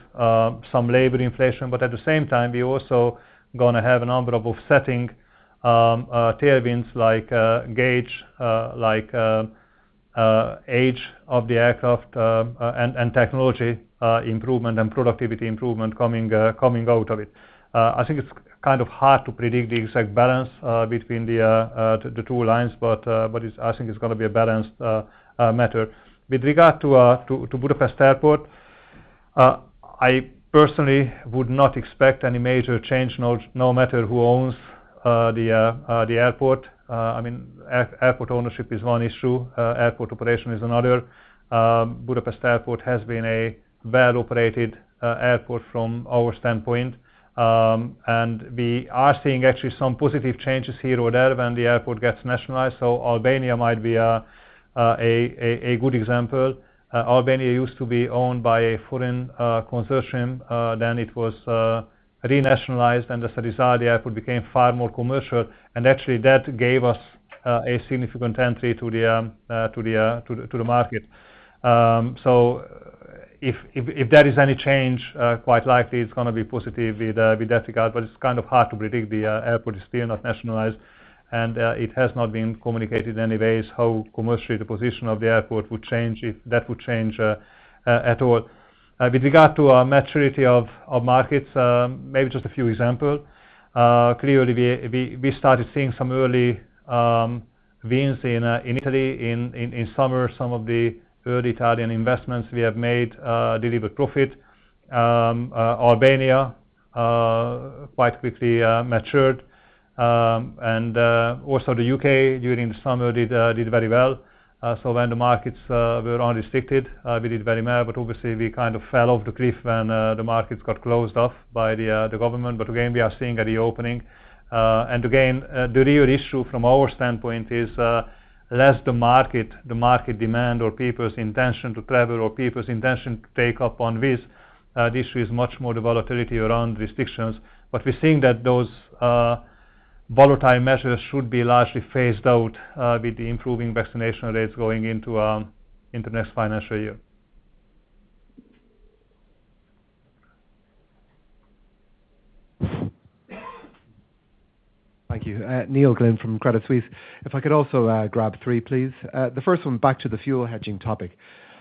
some labor inflation. At the same time we're also gonna have a number of offsetting tailwinds like gauge, like age of the aircraft, and technology improvement and productivity improvement coming out of it. I think it's kind of hard to predict the exact balance between the two lines, but it's gonna be a balanced matter. With regard to Budapest Airport, I personally would not expect any major change, no matter who owns the airport. I mean, airport ownership is one issue, airport operation is another. Budapest Airport has been badly operated airport from our standpoint. We are seeing actually some positive changes here or there when the airport gets nationalized, so Albania might be a good example. Albania used to be owned by a foreign consortium. It was re-nationalized, and as a result the airport became far more commercial. Actually that gave us a significant entry to the market. If there is any change, quite likely it's gonna be positive with that regard, but it's kind of hard to predict. The airport is still not nationalized, and it has not been communicated in any ways how commercially the position of the airport would change if that would change at all. With regard to our maturity of markets, maybe just a few example. Clearly we started seeing some early wins in Italy in summer. Some of the early Italian investments we have made delivered profit. Albania quite quickly matured. Also the U.K. during the summer did very well. When the markets were unrestricted, we did very well, but obviously we kind of fell off the cliff when the markets got closed off by the government. We are seeing a reopening. Again, the real issue from our standpoint is less the market demand or people's intention to travel or people's intention to take up on Wizz, the issue is much more the volatility around restrictions. We're seeing that those volatile measures should be largely phased out with the improving vaccination rates going into next financial year. Thank you. Neil Glynn from Credit Suisse. If I could also grab three, please. The first one back to the fuel hedging topic.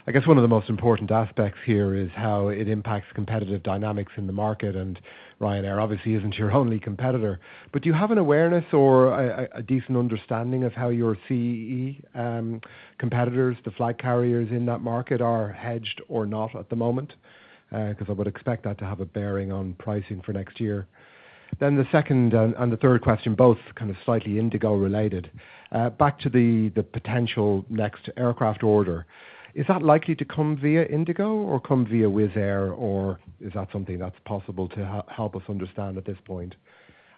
I guess one of the most important aspects here is how it impacts competitive dynamics in the market, and Ryanair obviously isn't your only competitor. Do you have an awareness or a decent understanding of how your CEE competitors, the flag carriers in that market are hedged or not at the moment? 'Cause I would expect that to have a bearing on pricing for next year. The second and the third question both kind of slightly Indigo-related. Back to the potential next aircraft order. Is that likely to come via Indigo or come via Wizz Air, or is that something that's possible to help us understand at this point?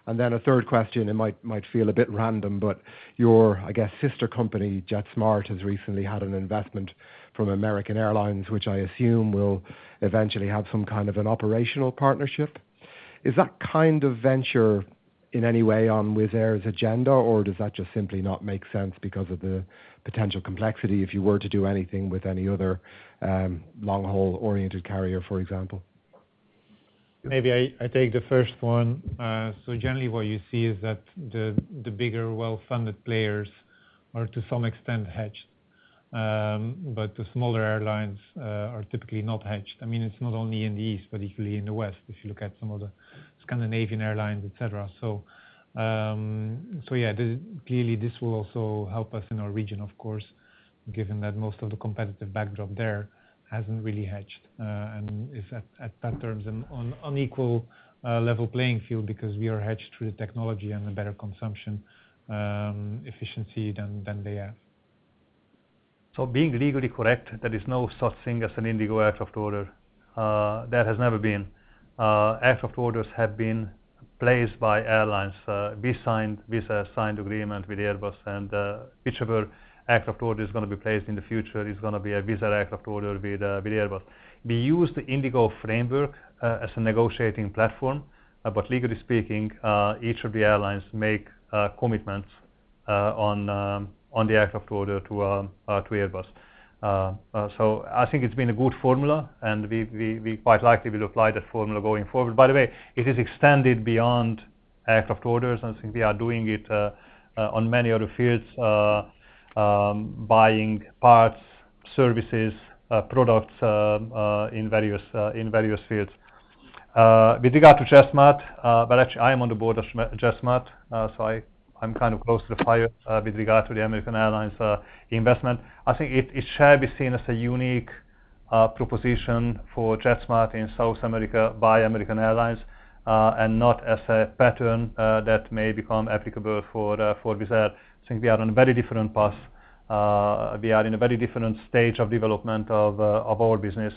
a third question. It might feel a bit random, but your, I guess, sister company, JetSMART, has recently had an investment from American Airlines, which I assume will eventually have some kind of an operational partnership. Is that kind of venture in any way on Wizz Air's agenda, or does that just simply not make sense because of the potential complexity if you were to do anything with any other, long-haul-oriented carrier, for example? Maybe I take the first one. Generally what you see is that the bigger, well-funded players are to some extent hedged. The smaller airlines are typically not hedged. I mean, it's not only in the East, but equally in the West, if you look at some of the Scandinavian airlines, et cetera. Clearly this will also help us in our region, of course, given that most of the competitive backdrop there hasn't really hedged, and is at better terms on equal level playing field because we are hedged through the technology and the better consumption efficiency than they have. Being legally correct, there is no such thing as an Indigo aircraft order. There has never been. Aircraft orders have been placed by airlines. Wizz Air signed agreement with Airbus, and each of our aircraft order is gonna be a Wizz Air aircraft order with Airbus. We use the Indigo framework as a negotiating platform, but legally speaking, each of the airlines make commitments on the aircraft order to Airbus. I think it's been a good formula, and we quite likely will apply that formula going forward. By the way, it is extended beyond aircraft orders, and I think we are doing it on many other fields, buying parts, services, products, in various fields. With regard to JetSMART, well, actually, I am on the board of JetSMART, so I'm kind of close to the fire with regard to the American Airlines investment. I think it shall be seen as a unique proposition for JetSMART in South America by American Airlines, and not as a pattern that may become applicable for Wizz Air. I think we are on a very different path. We are in a very different stage of development of our business,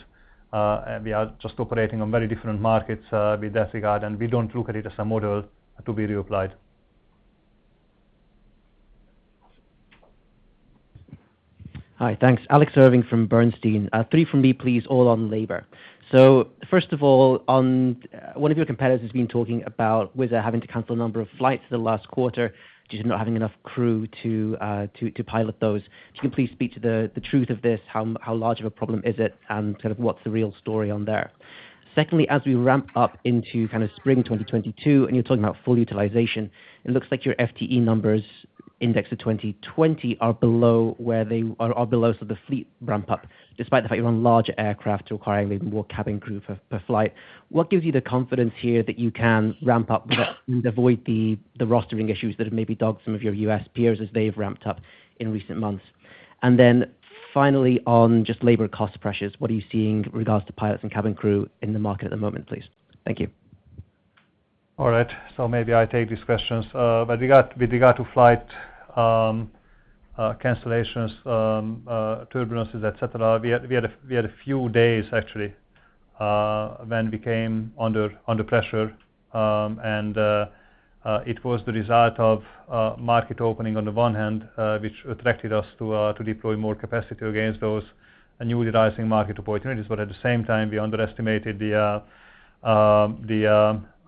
and we are just operating on very different markets with that regard, and we don't look at it as a model to be reapplied. Hi. Thanks. Alex Irving from Bernstein. Three from me, please, all on labor. First of all, one of your competitors has been talking about Wizz Air having to cancel a number of flights in the last quarter due to not having enough crew to pilot those. Can you please speak to the truth of this? How large of a problem is it, and sort of what's the real story on there? Secondly, as we ramp up into kind of spring 2022, and you're talking about full utilization, it looks like your FTE numbers indexed to 2020 are below where they are below so the fleet ramp up, despite the fact you're on larger aircraft requiring maybe more cabin crew per flight. What gives you the confidence here that you can ramp up and avoid the rostering issues that have maybe dogged some of your U.S peers as they've ramped up in recent months? Finally, on just labor cost pressures, what are you seeing with regards to pilots and cabin crew in the market at the moment, please? Thank you. All right. Maybe I take these questions. With regard to flight cancellations, turbulence, et cetera, we had a few days actually when we came under pressure, and it was the result of market opening on the one hand, which attracted us to deploy more capacity against those newly rising market opportunities. At the same time, we underestimated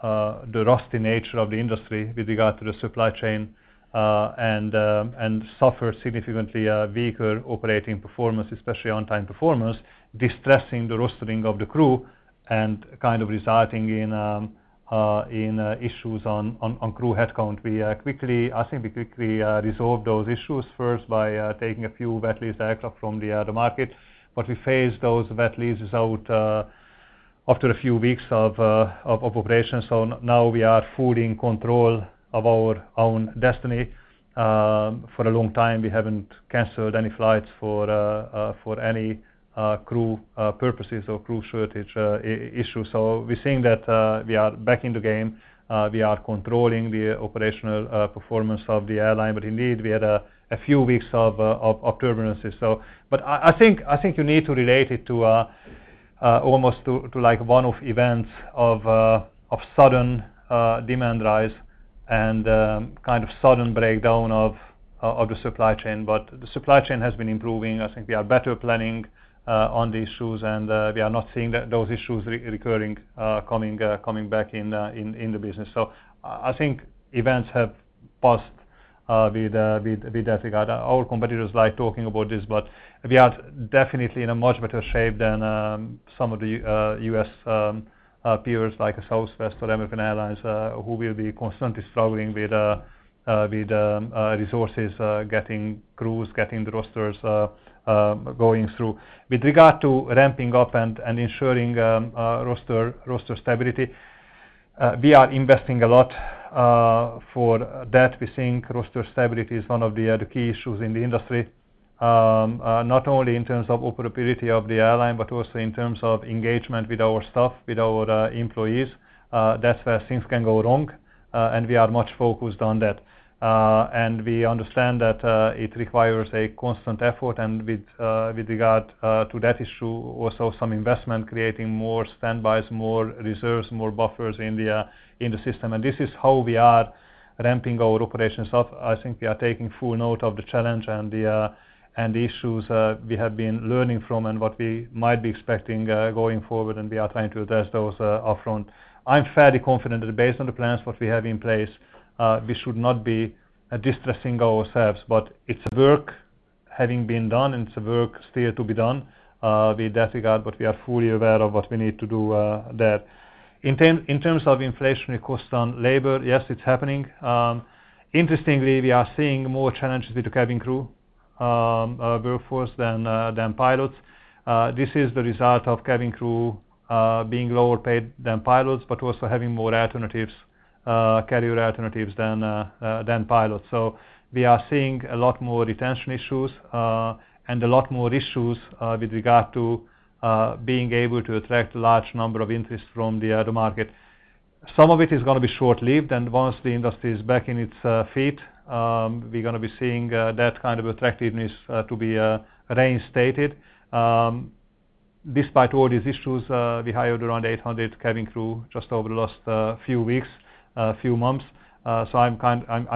the rusty nature of the industry with regard to the supply chain, and suffered significantly weaker operating performance, especially on-time performance, distressing the rostering of the crew and kind of resulting in issues on crew headcount. We quickly resolved those issues first by taking a few wet lease aircraft from the market. We phased those wet leases out after a few weeks of operation. Now we are fully in control of our own destiny. For a long time, we haven't canceled any flights for any crew purposes or crew shortage issue. We're seeing that we are back in the game. We are controlling the operational performance of the airline, but indeed, we had a few weeks of turbulence. I think you need to relate it to almost to like one-off events of sudden demand rise and kind of sudden breakdown of the supply chain. The supply chain has been improving. I think we are better planning on these issues, and we are not seeing that those issues recurring coming back in the business. I think events have passed with that regard. Our competitors like talking about this, but we are definitely in a much better shape than some of the U.S. peers like Southwest or American Airlines who will be constantly struggling with resources getting crews, getting the rosters going through. With regard to ramping up and ensuring roster stability, we are investing a lot for that. We think roster stability is one of the key issues in the industry, not only in terms of operability of the airline, but also in terms of engagement with our staff, with our employees. That's where things can go wrong, and we are much focused on that. We understand that it requires a constant effort, and with regard to that issue, also some investment, creating more standbys, more reserves, more buffers in the system. This is how we are ramping our operations up. I think we are taking full note of the challenge and the issues we have been learning from and what we might be expecting going forward, and we are trying to address those upfront. I'm fairly confident that based on the plans we have in place we should not be distressing ourselves. It's work having been done and some work still to be done in that regard, but we are fully aware of what we need to do there. In terms of inflationary costs on labor, yes, it's happening. Interestingly, we are seeing more challenges with the cabin crew workforce than pilots. This is the result of cabin crew being lower paid than pilots, but also having more alternatives, carrier alternatives than pilots. We are seeing a lot more retention issues and a lot more issues with regard to being able to attract large number of interest from the other market. Some of it is gonna be short-lived, and once the industry is back on its feet, we're gonna be seeing that kind of attractiveness to be reinstated. Despite all these issues, we hired around 800 cabin crew just over the last few weeks, few months. I'm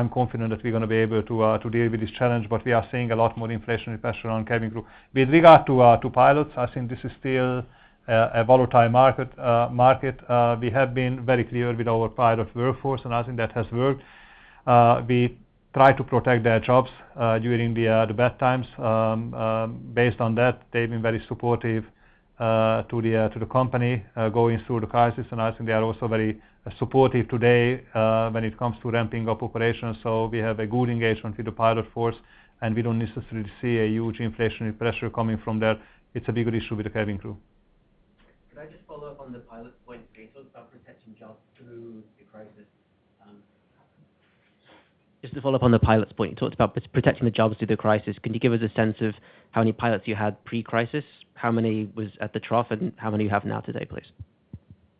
confident that we're gonna be able to deal with this challenge, but we are seeing a lot more inflationary pressure on cabin crew. With regard to pilots, I think this is still a volatile market. We have been very clear with our pilot workforce, and I think that has worked. We try to protect their jobs during the bad times. Based on that, they've been very supportive to the company going through the crisis. I think they are also very supportive today when it comes to ramping up operations. We have a good engagement with the pilot force, and we don't necessarily see a huge inflationary pressure coming from there. It's a bigger issue with the cabin crew. Could I just follow up on the pilot point, please, about protecting jobs through the crisis? Just to follow up on the pilots point, you talked about protecting the jobs through the crisis. Can you give us a sense of how many pilots you had pre-crisis? How many was at the trough, and how many you have now today, please?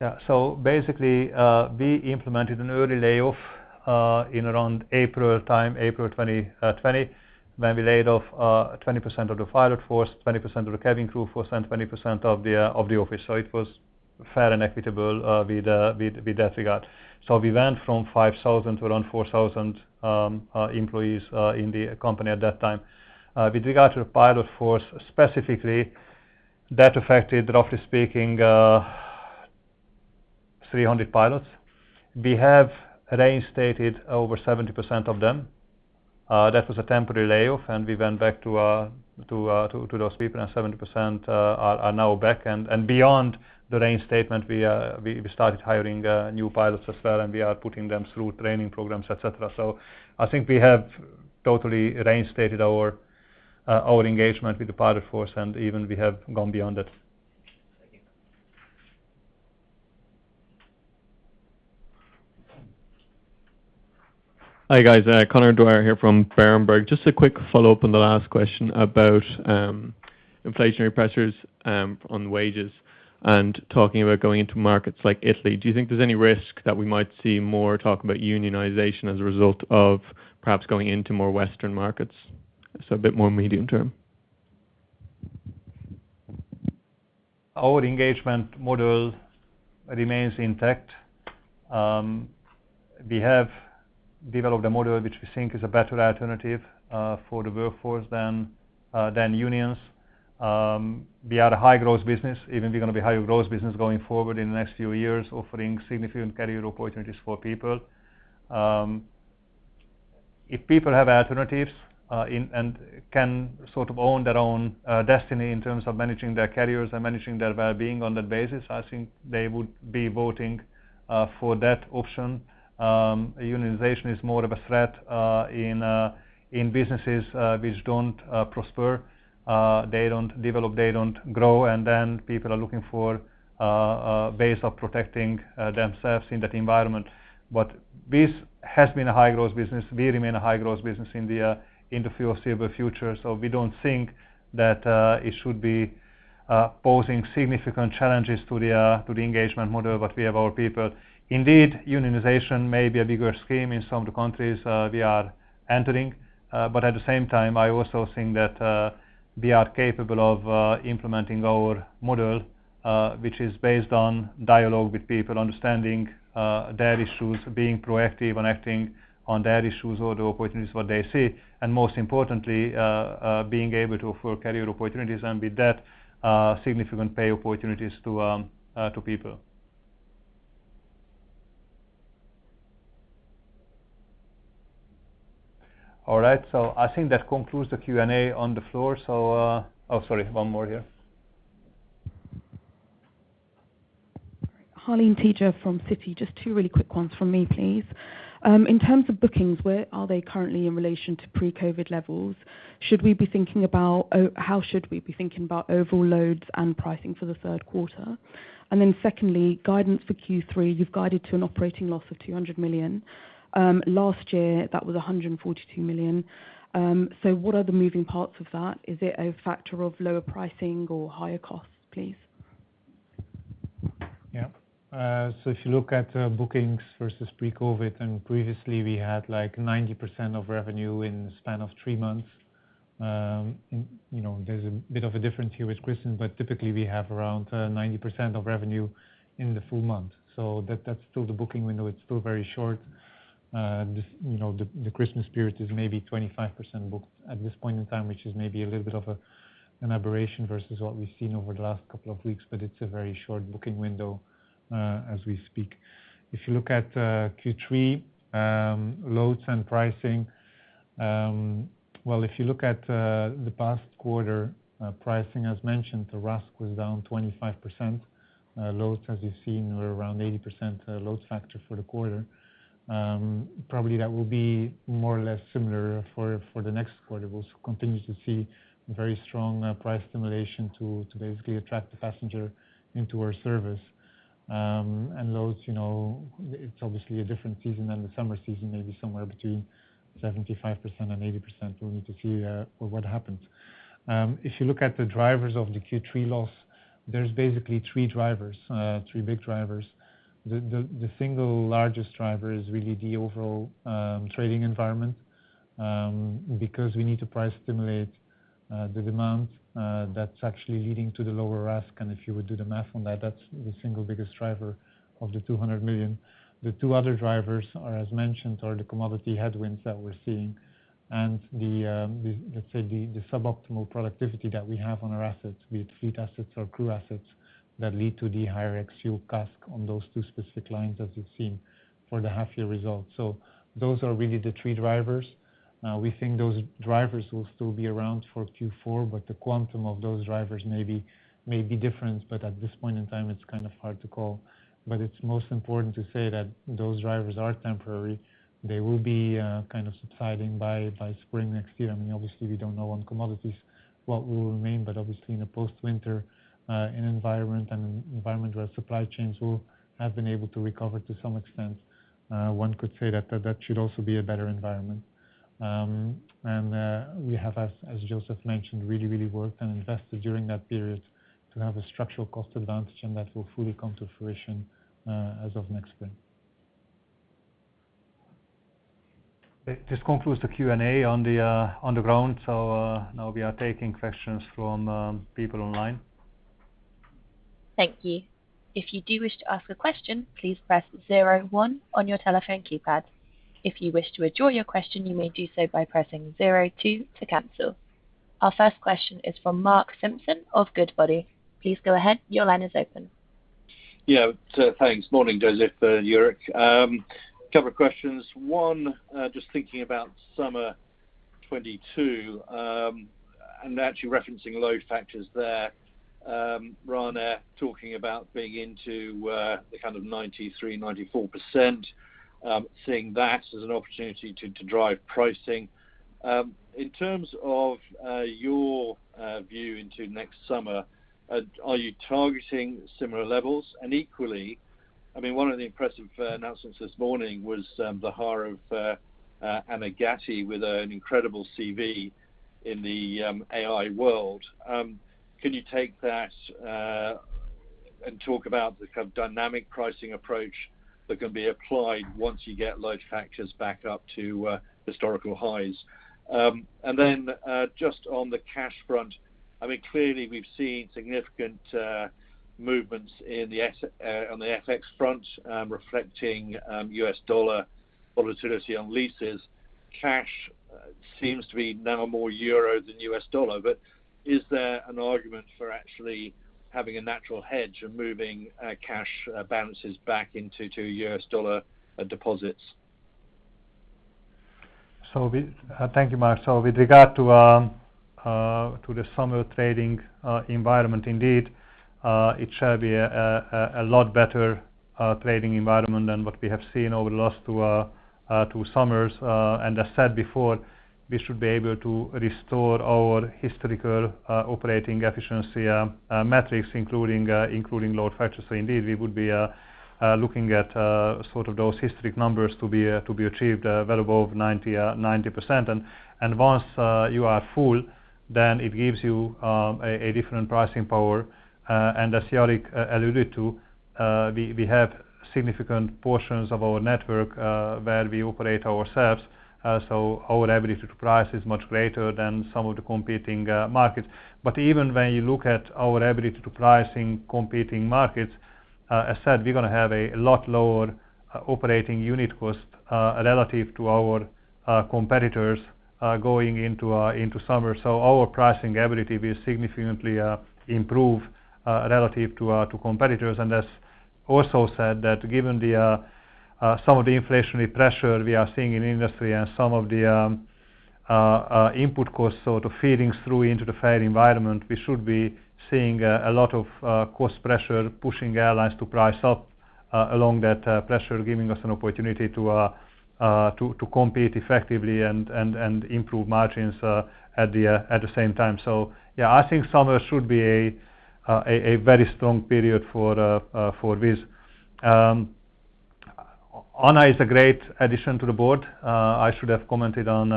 Yeah. Basically, we implemented an early layoff in around April time, April 2020, when we laid off 20% of the pilot force, 20% of the cabin crew force, and 20% of the office. It was fair and equitable with that regard. We went from 5,000 to around 4,000 employees in the company at that time. With regard to the pilot force specifically, that affected, roughly speaking, 300 pilots. We have reinstated over 70% of them. That was a temporary layoff, and we went back to those people, and 70% are now back. Beyond the reinstatement, we started hiring new pilots as well, and we are putting them through training programs, et cetera. I think we have totally reinstated our engagement with the pilot force and even we have gone beyond it. Thank you. Hi, guys. Conor Dwyer here from Berenberg. Just a quick follow-up on the last question about inflationary pressures on wages and talking about going into markets like Italy. Do you think there's any risk that we might see more talk about unionization as a result of perhaps going into more Western markets? A bit more medium term. Our engagement model remains intact. We have developed a model which we think is a better alternative for the workforce than unions. We are a high-growth business. Even we're gonna be higher growth business going forward in the next few years, offering significant career opportunities for people. If people have alternatives and can sort of own their own destiny in terms of managing their careers and managing their well-being on that basis, I think they would be voting for that option. Unionization is more of a threat in businesses which don't prosper. They don't develop, they don't grow, and then people are looking for ways of protecting themselves in that environment. This has been a high-growth business. We remain a high-growth business in the foreseeable future. We don't think that it should be posing significant challenges to the engagement model that we have our people. Indeed, unionization may be a bigger scheme in some of the countries we are entering. At the same time, I also think that we are capable of implementing our model, which is based on dialogue with people, understanding their issues, being proactive and acting on their issues or the opportunities what they see, and most importantly, being able to offer career opportunities and with that, significant pay opportunities to people. All right. I think that concludes the Q&A on the floor. Oh, sorry. One more here. Harleen Teja from Citi. Just two really quick ones from me, please. In terms of bookings, where are they currently in relation to pre-COVID levels? How should we be thinking about overloads and pricing for the third quarter? Secondly, guidance for Q3, you've guided to an operating loss of 200 million. Last year, that was 142 million. What are the moving parts of that? Is it a factor of lower pricing or higher costs, please? Yeah. If you look at bookings versus pre-COVID, and previously we had like 90% of revenue in the span of three months. You know, there's a bit of a difference here with Christmas, but typically we have around 90% of revenue in the full month. That's still the booking window. It's still very short. This, you know, the Christmas spirit is maybe 25% booked at this point in time, which is maybe a little bit of an aberration versus what we've seen over the last couple of weeks, but it's a very short booking window, as we speak. If you look at Q3 loads and pricing, well, if you look at the past quarter, pricing as mentioned, the RASK was down 25%. Loads as you've seen were around 80% load factor for the quarter. Probably that will be more or less similar for the next quarter. We'll continue to see very strong price stimulation to basically attract the passenger into our service. Loads, you know, it's obviously a different season than the summer season, maybe somewhere between 75% and 80%. We'll need to see what happens. If you look at the drivers of the Q3 loss, there's basically three drivers, three big drivers. The single largest driver is really the overall trading environment because we need to price stimulate the demand that's actually leading to the lower RASK. If you would do the math on that's the single biggest driver of 200 million. The two other drivers are, as mentioned, the commodity headwinds that we're seeing and the, let's say, suboptimal productivity that we have on our assets, be it fleet assets or crew assets that lead to the higher ex-fuel CASK on those two specific lines as you've seen for the half-year results. Those are really the three drivers. We think those drivers will still be around for Q4, but the quantum of those drivers may be different. At this point in time, it's kind of hard to call. It's most important to say that those drivers are temporary. They will be kind of subsiding by spring next year. I mean, obviously, we don't know on commodities what will remain, but obviously in a post-winter environment, an environment where supply chains will have been able to recover to some extent, one could say that should also be a better environment. We have, as József mentioned, really worked and invested during that period to have a structural cost advantage, and that will fully come to fruition as of next spring. This concludes the Q&A on the ground. Now we are taking questions from people online. Our first question is from Mark Simpson of Goodbody. Please go ahead. Your line is open. Yeah. Thanks. Morning, József, Jourik. A couple of questions. One, just thinking about summer 2022, and actually referencing load factors there. Ryanair talking about being in the kind of 93%-94%, seeing that as an opportunity to drive pricing. In terms of your view into next summer, are you targeting similar levels? Equally, I mean, one of the impressive announcements this morning was the hire of Anna Gatti with an incredible CV in the AI world. Can you take that and talk about the kind of dynamic pricing approach that can be applied once you get load factors back up to historical highs? Just on the cash front, I mean, clearly we've seen significant movements on the FX front, reflecting U.S dollar volatility on leases. Cash seems to be now more euro than U.S dollar, but is there an argument for actually having a natural hedge and moving cash balances back into U.S dollar deposits? Thank you, Mark. With regard to the summer trading environment, indeed, it shall be a lot better trading environment than what we have seen over the last two summers. As said before, we should be able to restore our historical operating efficiency metrics, including load factors. Indeed, we would be looking at sort of those historic numbers to be achieved well above 90%. Once you are full, then it gives you a different pricing power. As Jourik alluded to, we have significant portions of our network where we operate ourselves, so our ability to price is much greater than some of the competing markets. Even when you look at our ability to price in competing markets, as said, we're gonna have a lot lower operating unit cost relative to our competitors going into summer. Our pricing ability will significantly improve relative to competitors. As also said, given some of the inflationary pressure we are seeing in industry and some of the input costs sort of feeding through into the fare environment, we should be seeing a lot of cost pressure pushing airlines to price up along that pressure, giving us an opportunity to compete effectively and improve margins at the same time. I think summer should be a very strong period for Wizz. Anna is a great addition to the board. I should have commented on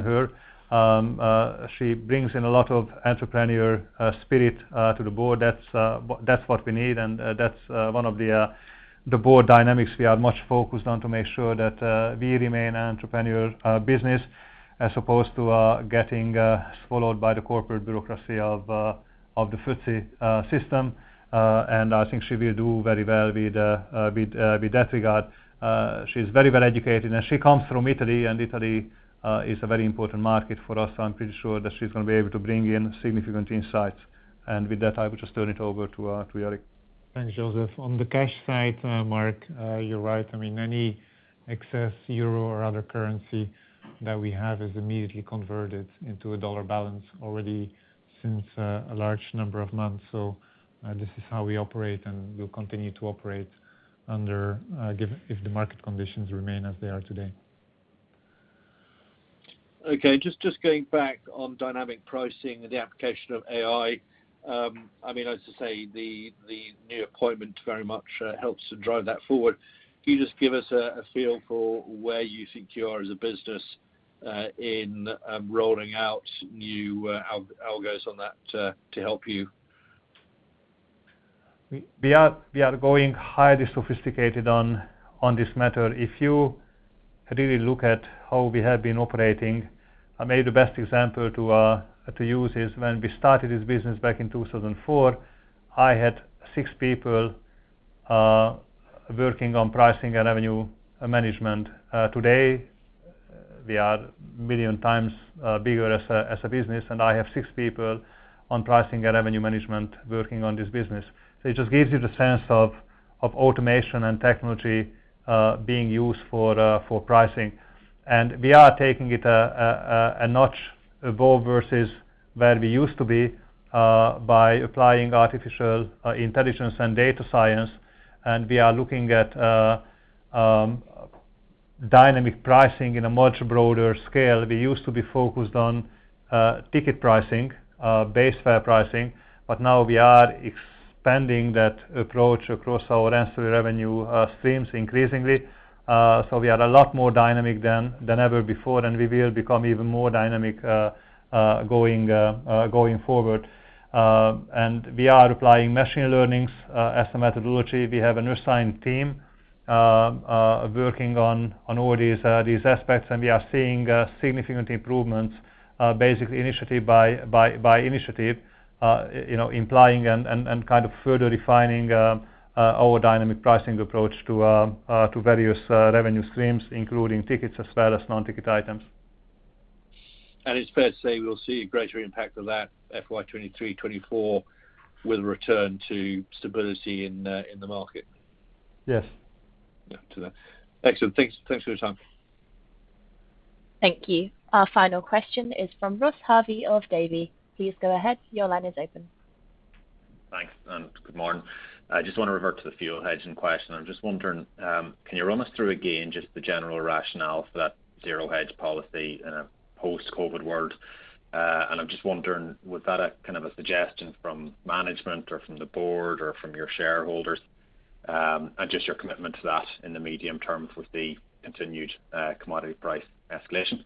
her. She brings in a lot of entrepreneurial spirit to the board. That's what we need. That's one of the board dynamics we are much focused on to make sure that we remain entrepreneurial business as opposed to getting swallowed by the corporate bureaucracy of the FTSE system. I think she will do very well with that regard. She's very well educated, and she comes from Italy, and Italy is a very important market for us. I'm pretty sure that she's gonna be able to bring in significant insights. With that, I will just turn it over to Eric. Thanks, József. On the cash side, Mark, you're right. I mean, any excess euro or other currency that we have is immediately converted into a dollar balance already since a large number of months. This is how we operate, and we'll continue to operate under if the market conditions remain as they are today. Okay. Just going back on dynamic pricing and the application of AI. I mean, the new appointment very much helps to drive that forward. Can you just give us a feel for where you think you are as a business, in rolling out new algos on that to help you? We are going highly sophisticated on this matter. If you really look at how we have been operating, maybe the best example to use is when we started this business back in 2004, I had six people working on pricing and revenue management. Today, we are a million times bigger as a business, and I have six people on pricing and revenue management working on this business. It just gives you the sense of automation and technology being used for pricing. We are taking it a notch above versus where we used to be by applying artificial intelligence and data science. We are looking at dynamic pricing in a much broader scale. We used to be focused on ticket pricing, base fare pricing, but now we are expanding that approach across our ancillary revenue streams increasingly. We are a lot more dynamic than ever before, and we will become even more dynamic going forward. We are applying machine learning as a methodology. We have an assigned team working on all these aspects, and we are seeing significant improvements basically initiative by initiative, you know, implementing and kind of further defining our dynamic pricing approach to various revenue streams, including tickets as well as non-ticket items. It's fair to say we'll see a greater impact of that FY 2023, 2024 with a return to stability in the market. Yes. Yeah. Excellent. Thanks. Thanks for your time. Thank you. Our final question is from Ross Harvey of Davy. Please go ahead. Your line is open. Thanks, and good morning. I just wanna revert to the fuel hedging question. I'm just wondering, can you run us through again just the general rationale for that zero hedge policy in a post-COVID world? I'm just wondering, was that a kind of a suggestion from management or from the board or from your shareholders? Just your commitment to that in the medium term with the continued commodity price escalation.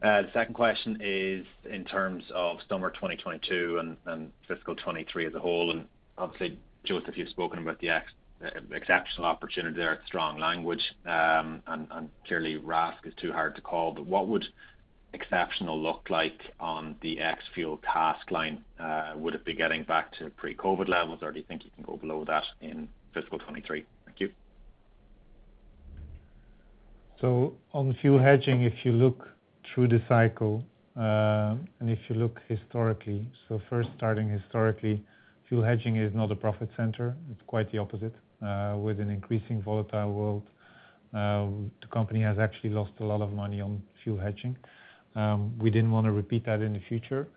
The second question is in terms of summer 2022 and fiscal 2023 as a whole, and obviously, József, you've spoken about the exceptional opportunity there. It's strong language, and clearly RASK is too hard to call. But what would exceptional look like on the ex-fuel CASK line? Would it be getting back to pre-COVID levels, or do you think you can go below that in fiscal 2023? Thank you. On fuel hedging, if you look through the cycle, and if you look historically, first starting historically, fuel hedging is not a profit center. It's quite the opposite. With an increasingly volatile world, the company has actually lost a lot of money on fuel hedging. We didn't wanna repeat that in the future.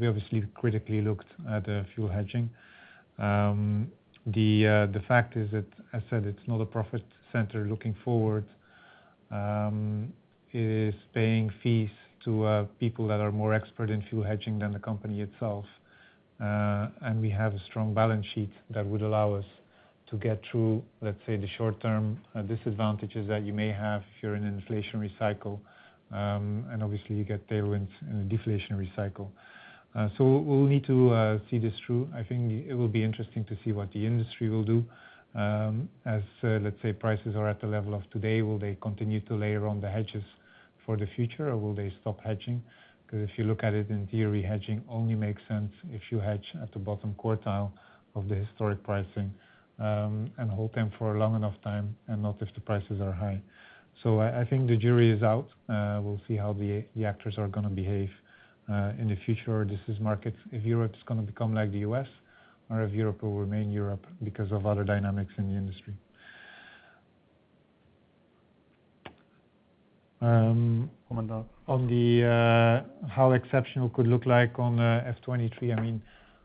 We obviously critically looked at the fuel hedging. The fact is that I said it's not a profit center looking forward. It is paying fees to people that are more expert in fuel hedging than the company itself. We have a strong balance sheet that would allow us to get through, let's say, the short-term disadvantages that you may have if you're in an inflationary cycle. Obviously, you get tailwinds in a deflationary cycle. We'll need to see this through. I think it will be interesting to see what the industry will do. Let's say prices are at the level of today, will they continue to layer on the hedges for the future, or will they stop hedging? Because if you look at it in theory, hedging only makes sense if you hedge at the bottom quartile of the historic pricing, and hold them for a long enough time and not if the prices are high. I think the jury is out. We'll see how the actors are gonna behave in the future. This is markets. If Europe's gonna become like the U.S. or if Europe will remain Europe because of other dynamics in the industry. On how exceptional could look like on FY 2023, I mean,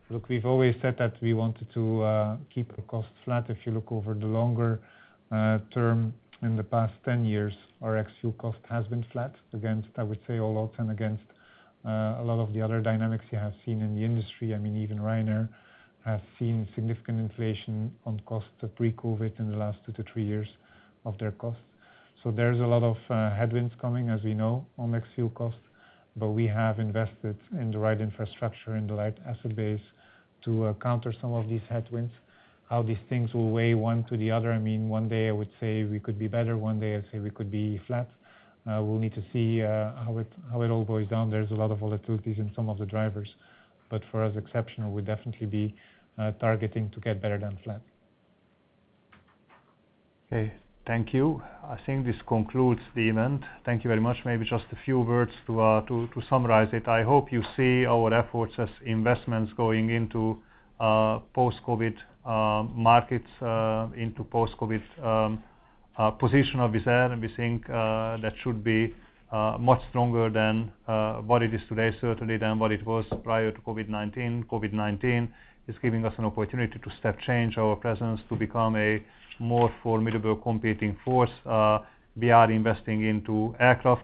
look, we've always said that we wanted to keep the cost flat. If you look over the longer term in the past 10 years, our ex-fuel cost has been flat against, I would say, all odds and against a lot of the other dynamics you have seen in the industry. I mean, even Ryanair has seen significant inflation on costs pre-COVID in the last two-three years of their costs. There's a lot of headwinds coming, as we know, on ex-fuel costs. We have invested in the right infrastructure and the right asset base to counter some of these headwinds. How these things will weigh one to the other, I mean, one day I would say we could be better, one day I'd say we could be flat. We'll need to see how it all boils down. There's a lot of volatilities in some of the drivers. For us, exceptional would definitely be targeting to get better than flat. Okay, thank you. I think this concludes the event. Thank you very much. Maybe just a few words to summarize it. I hope you see our efforts as investments going into post-COVID markets into post-COVID position of Wizz Air, and we think that should be much stronger than what it is today, certainly than what it was prior to COVID-19. COVID-19 is giving us an opportunity to step change our presence to become a more formidable competing force. We are investing into aircraft,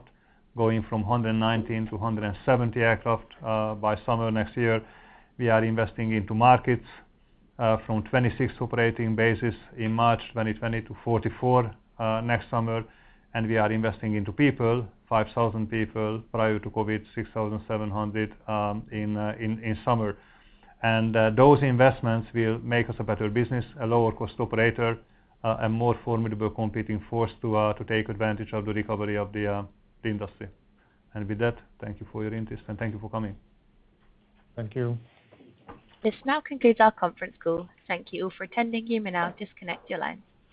going from 119-170 aircraft by summer next year. We are investing into markets from 26 operating bases in March 2020 to 44 next summer. We are investing into people, 5,000 people prior to COVID, 6,700 in summer. Those investments will make us a better business, a lower cost operator, a more formidable competing force to take advantage of the recovery of the industry. With that, thank you for your interest and thank you for coming. Thank you. This now concludes our conference call. Thank you all for attending. You may now disconnect your lines.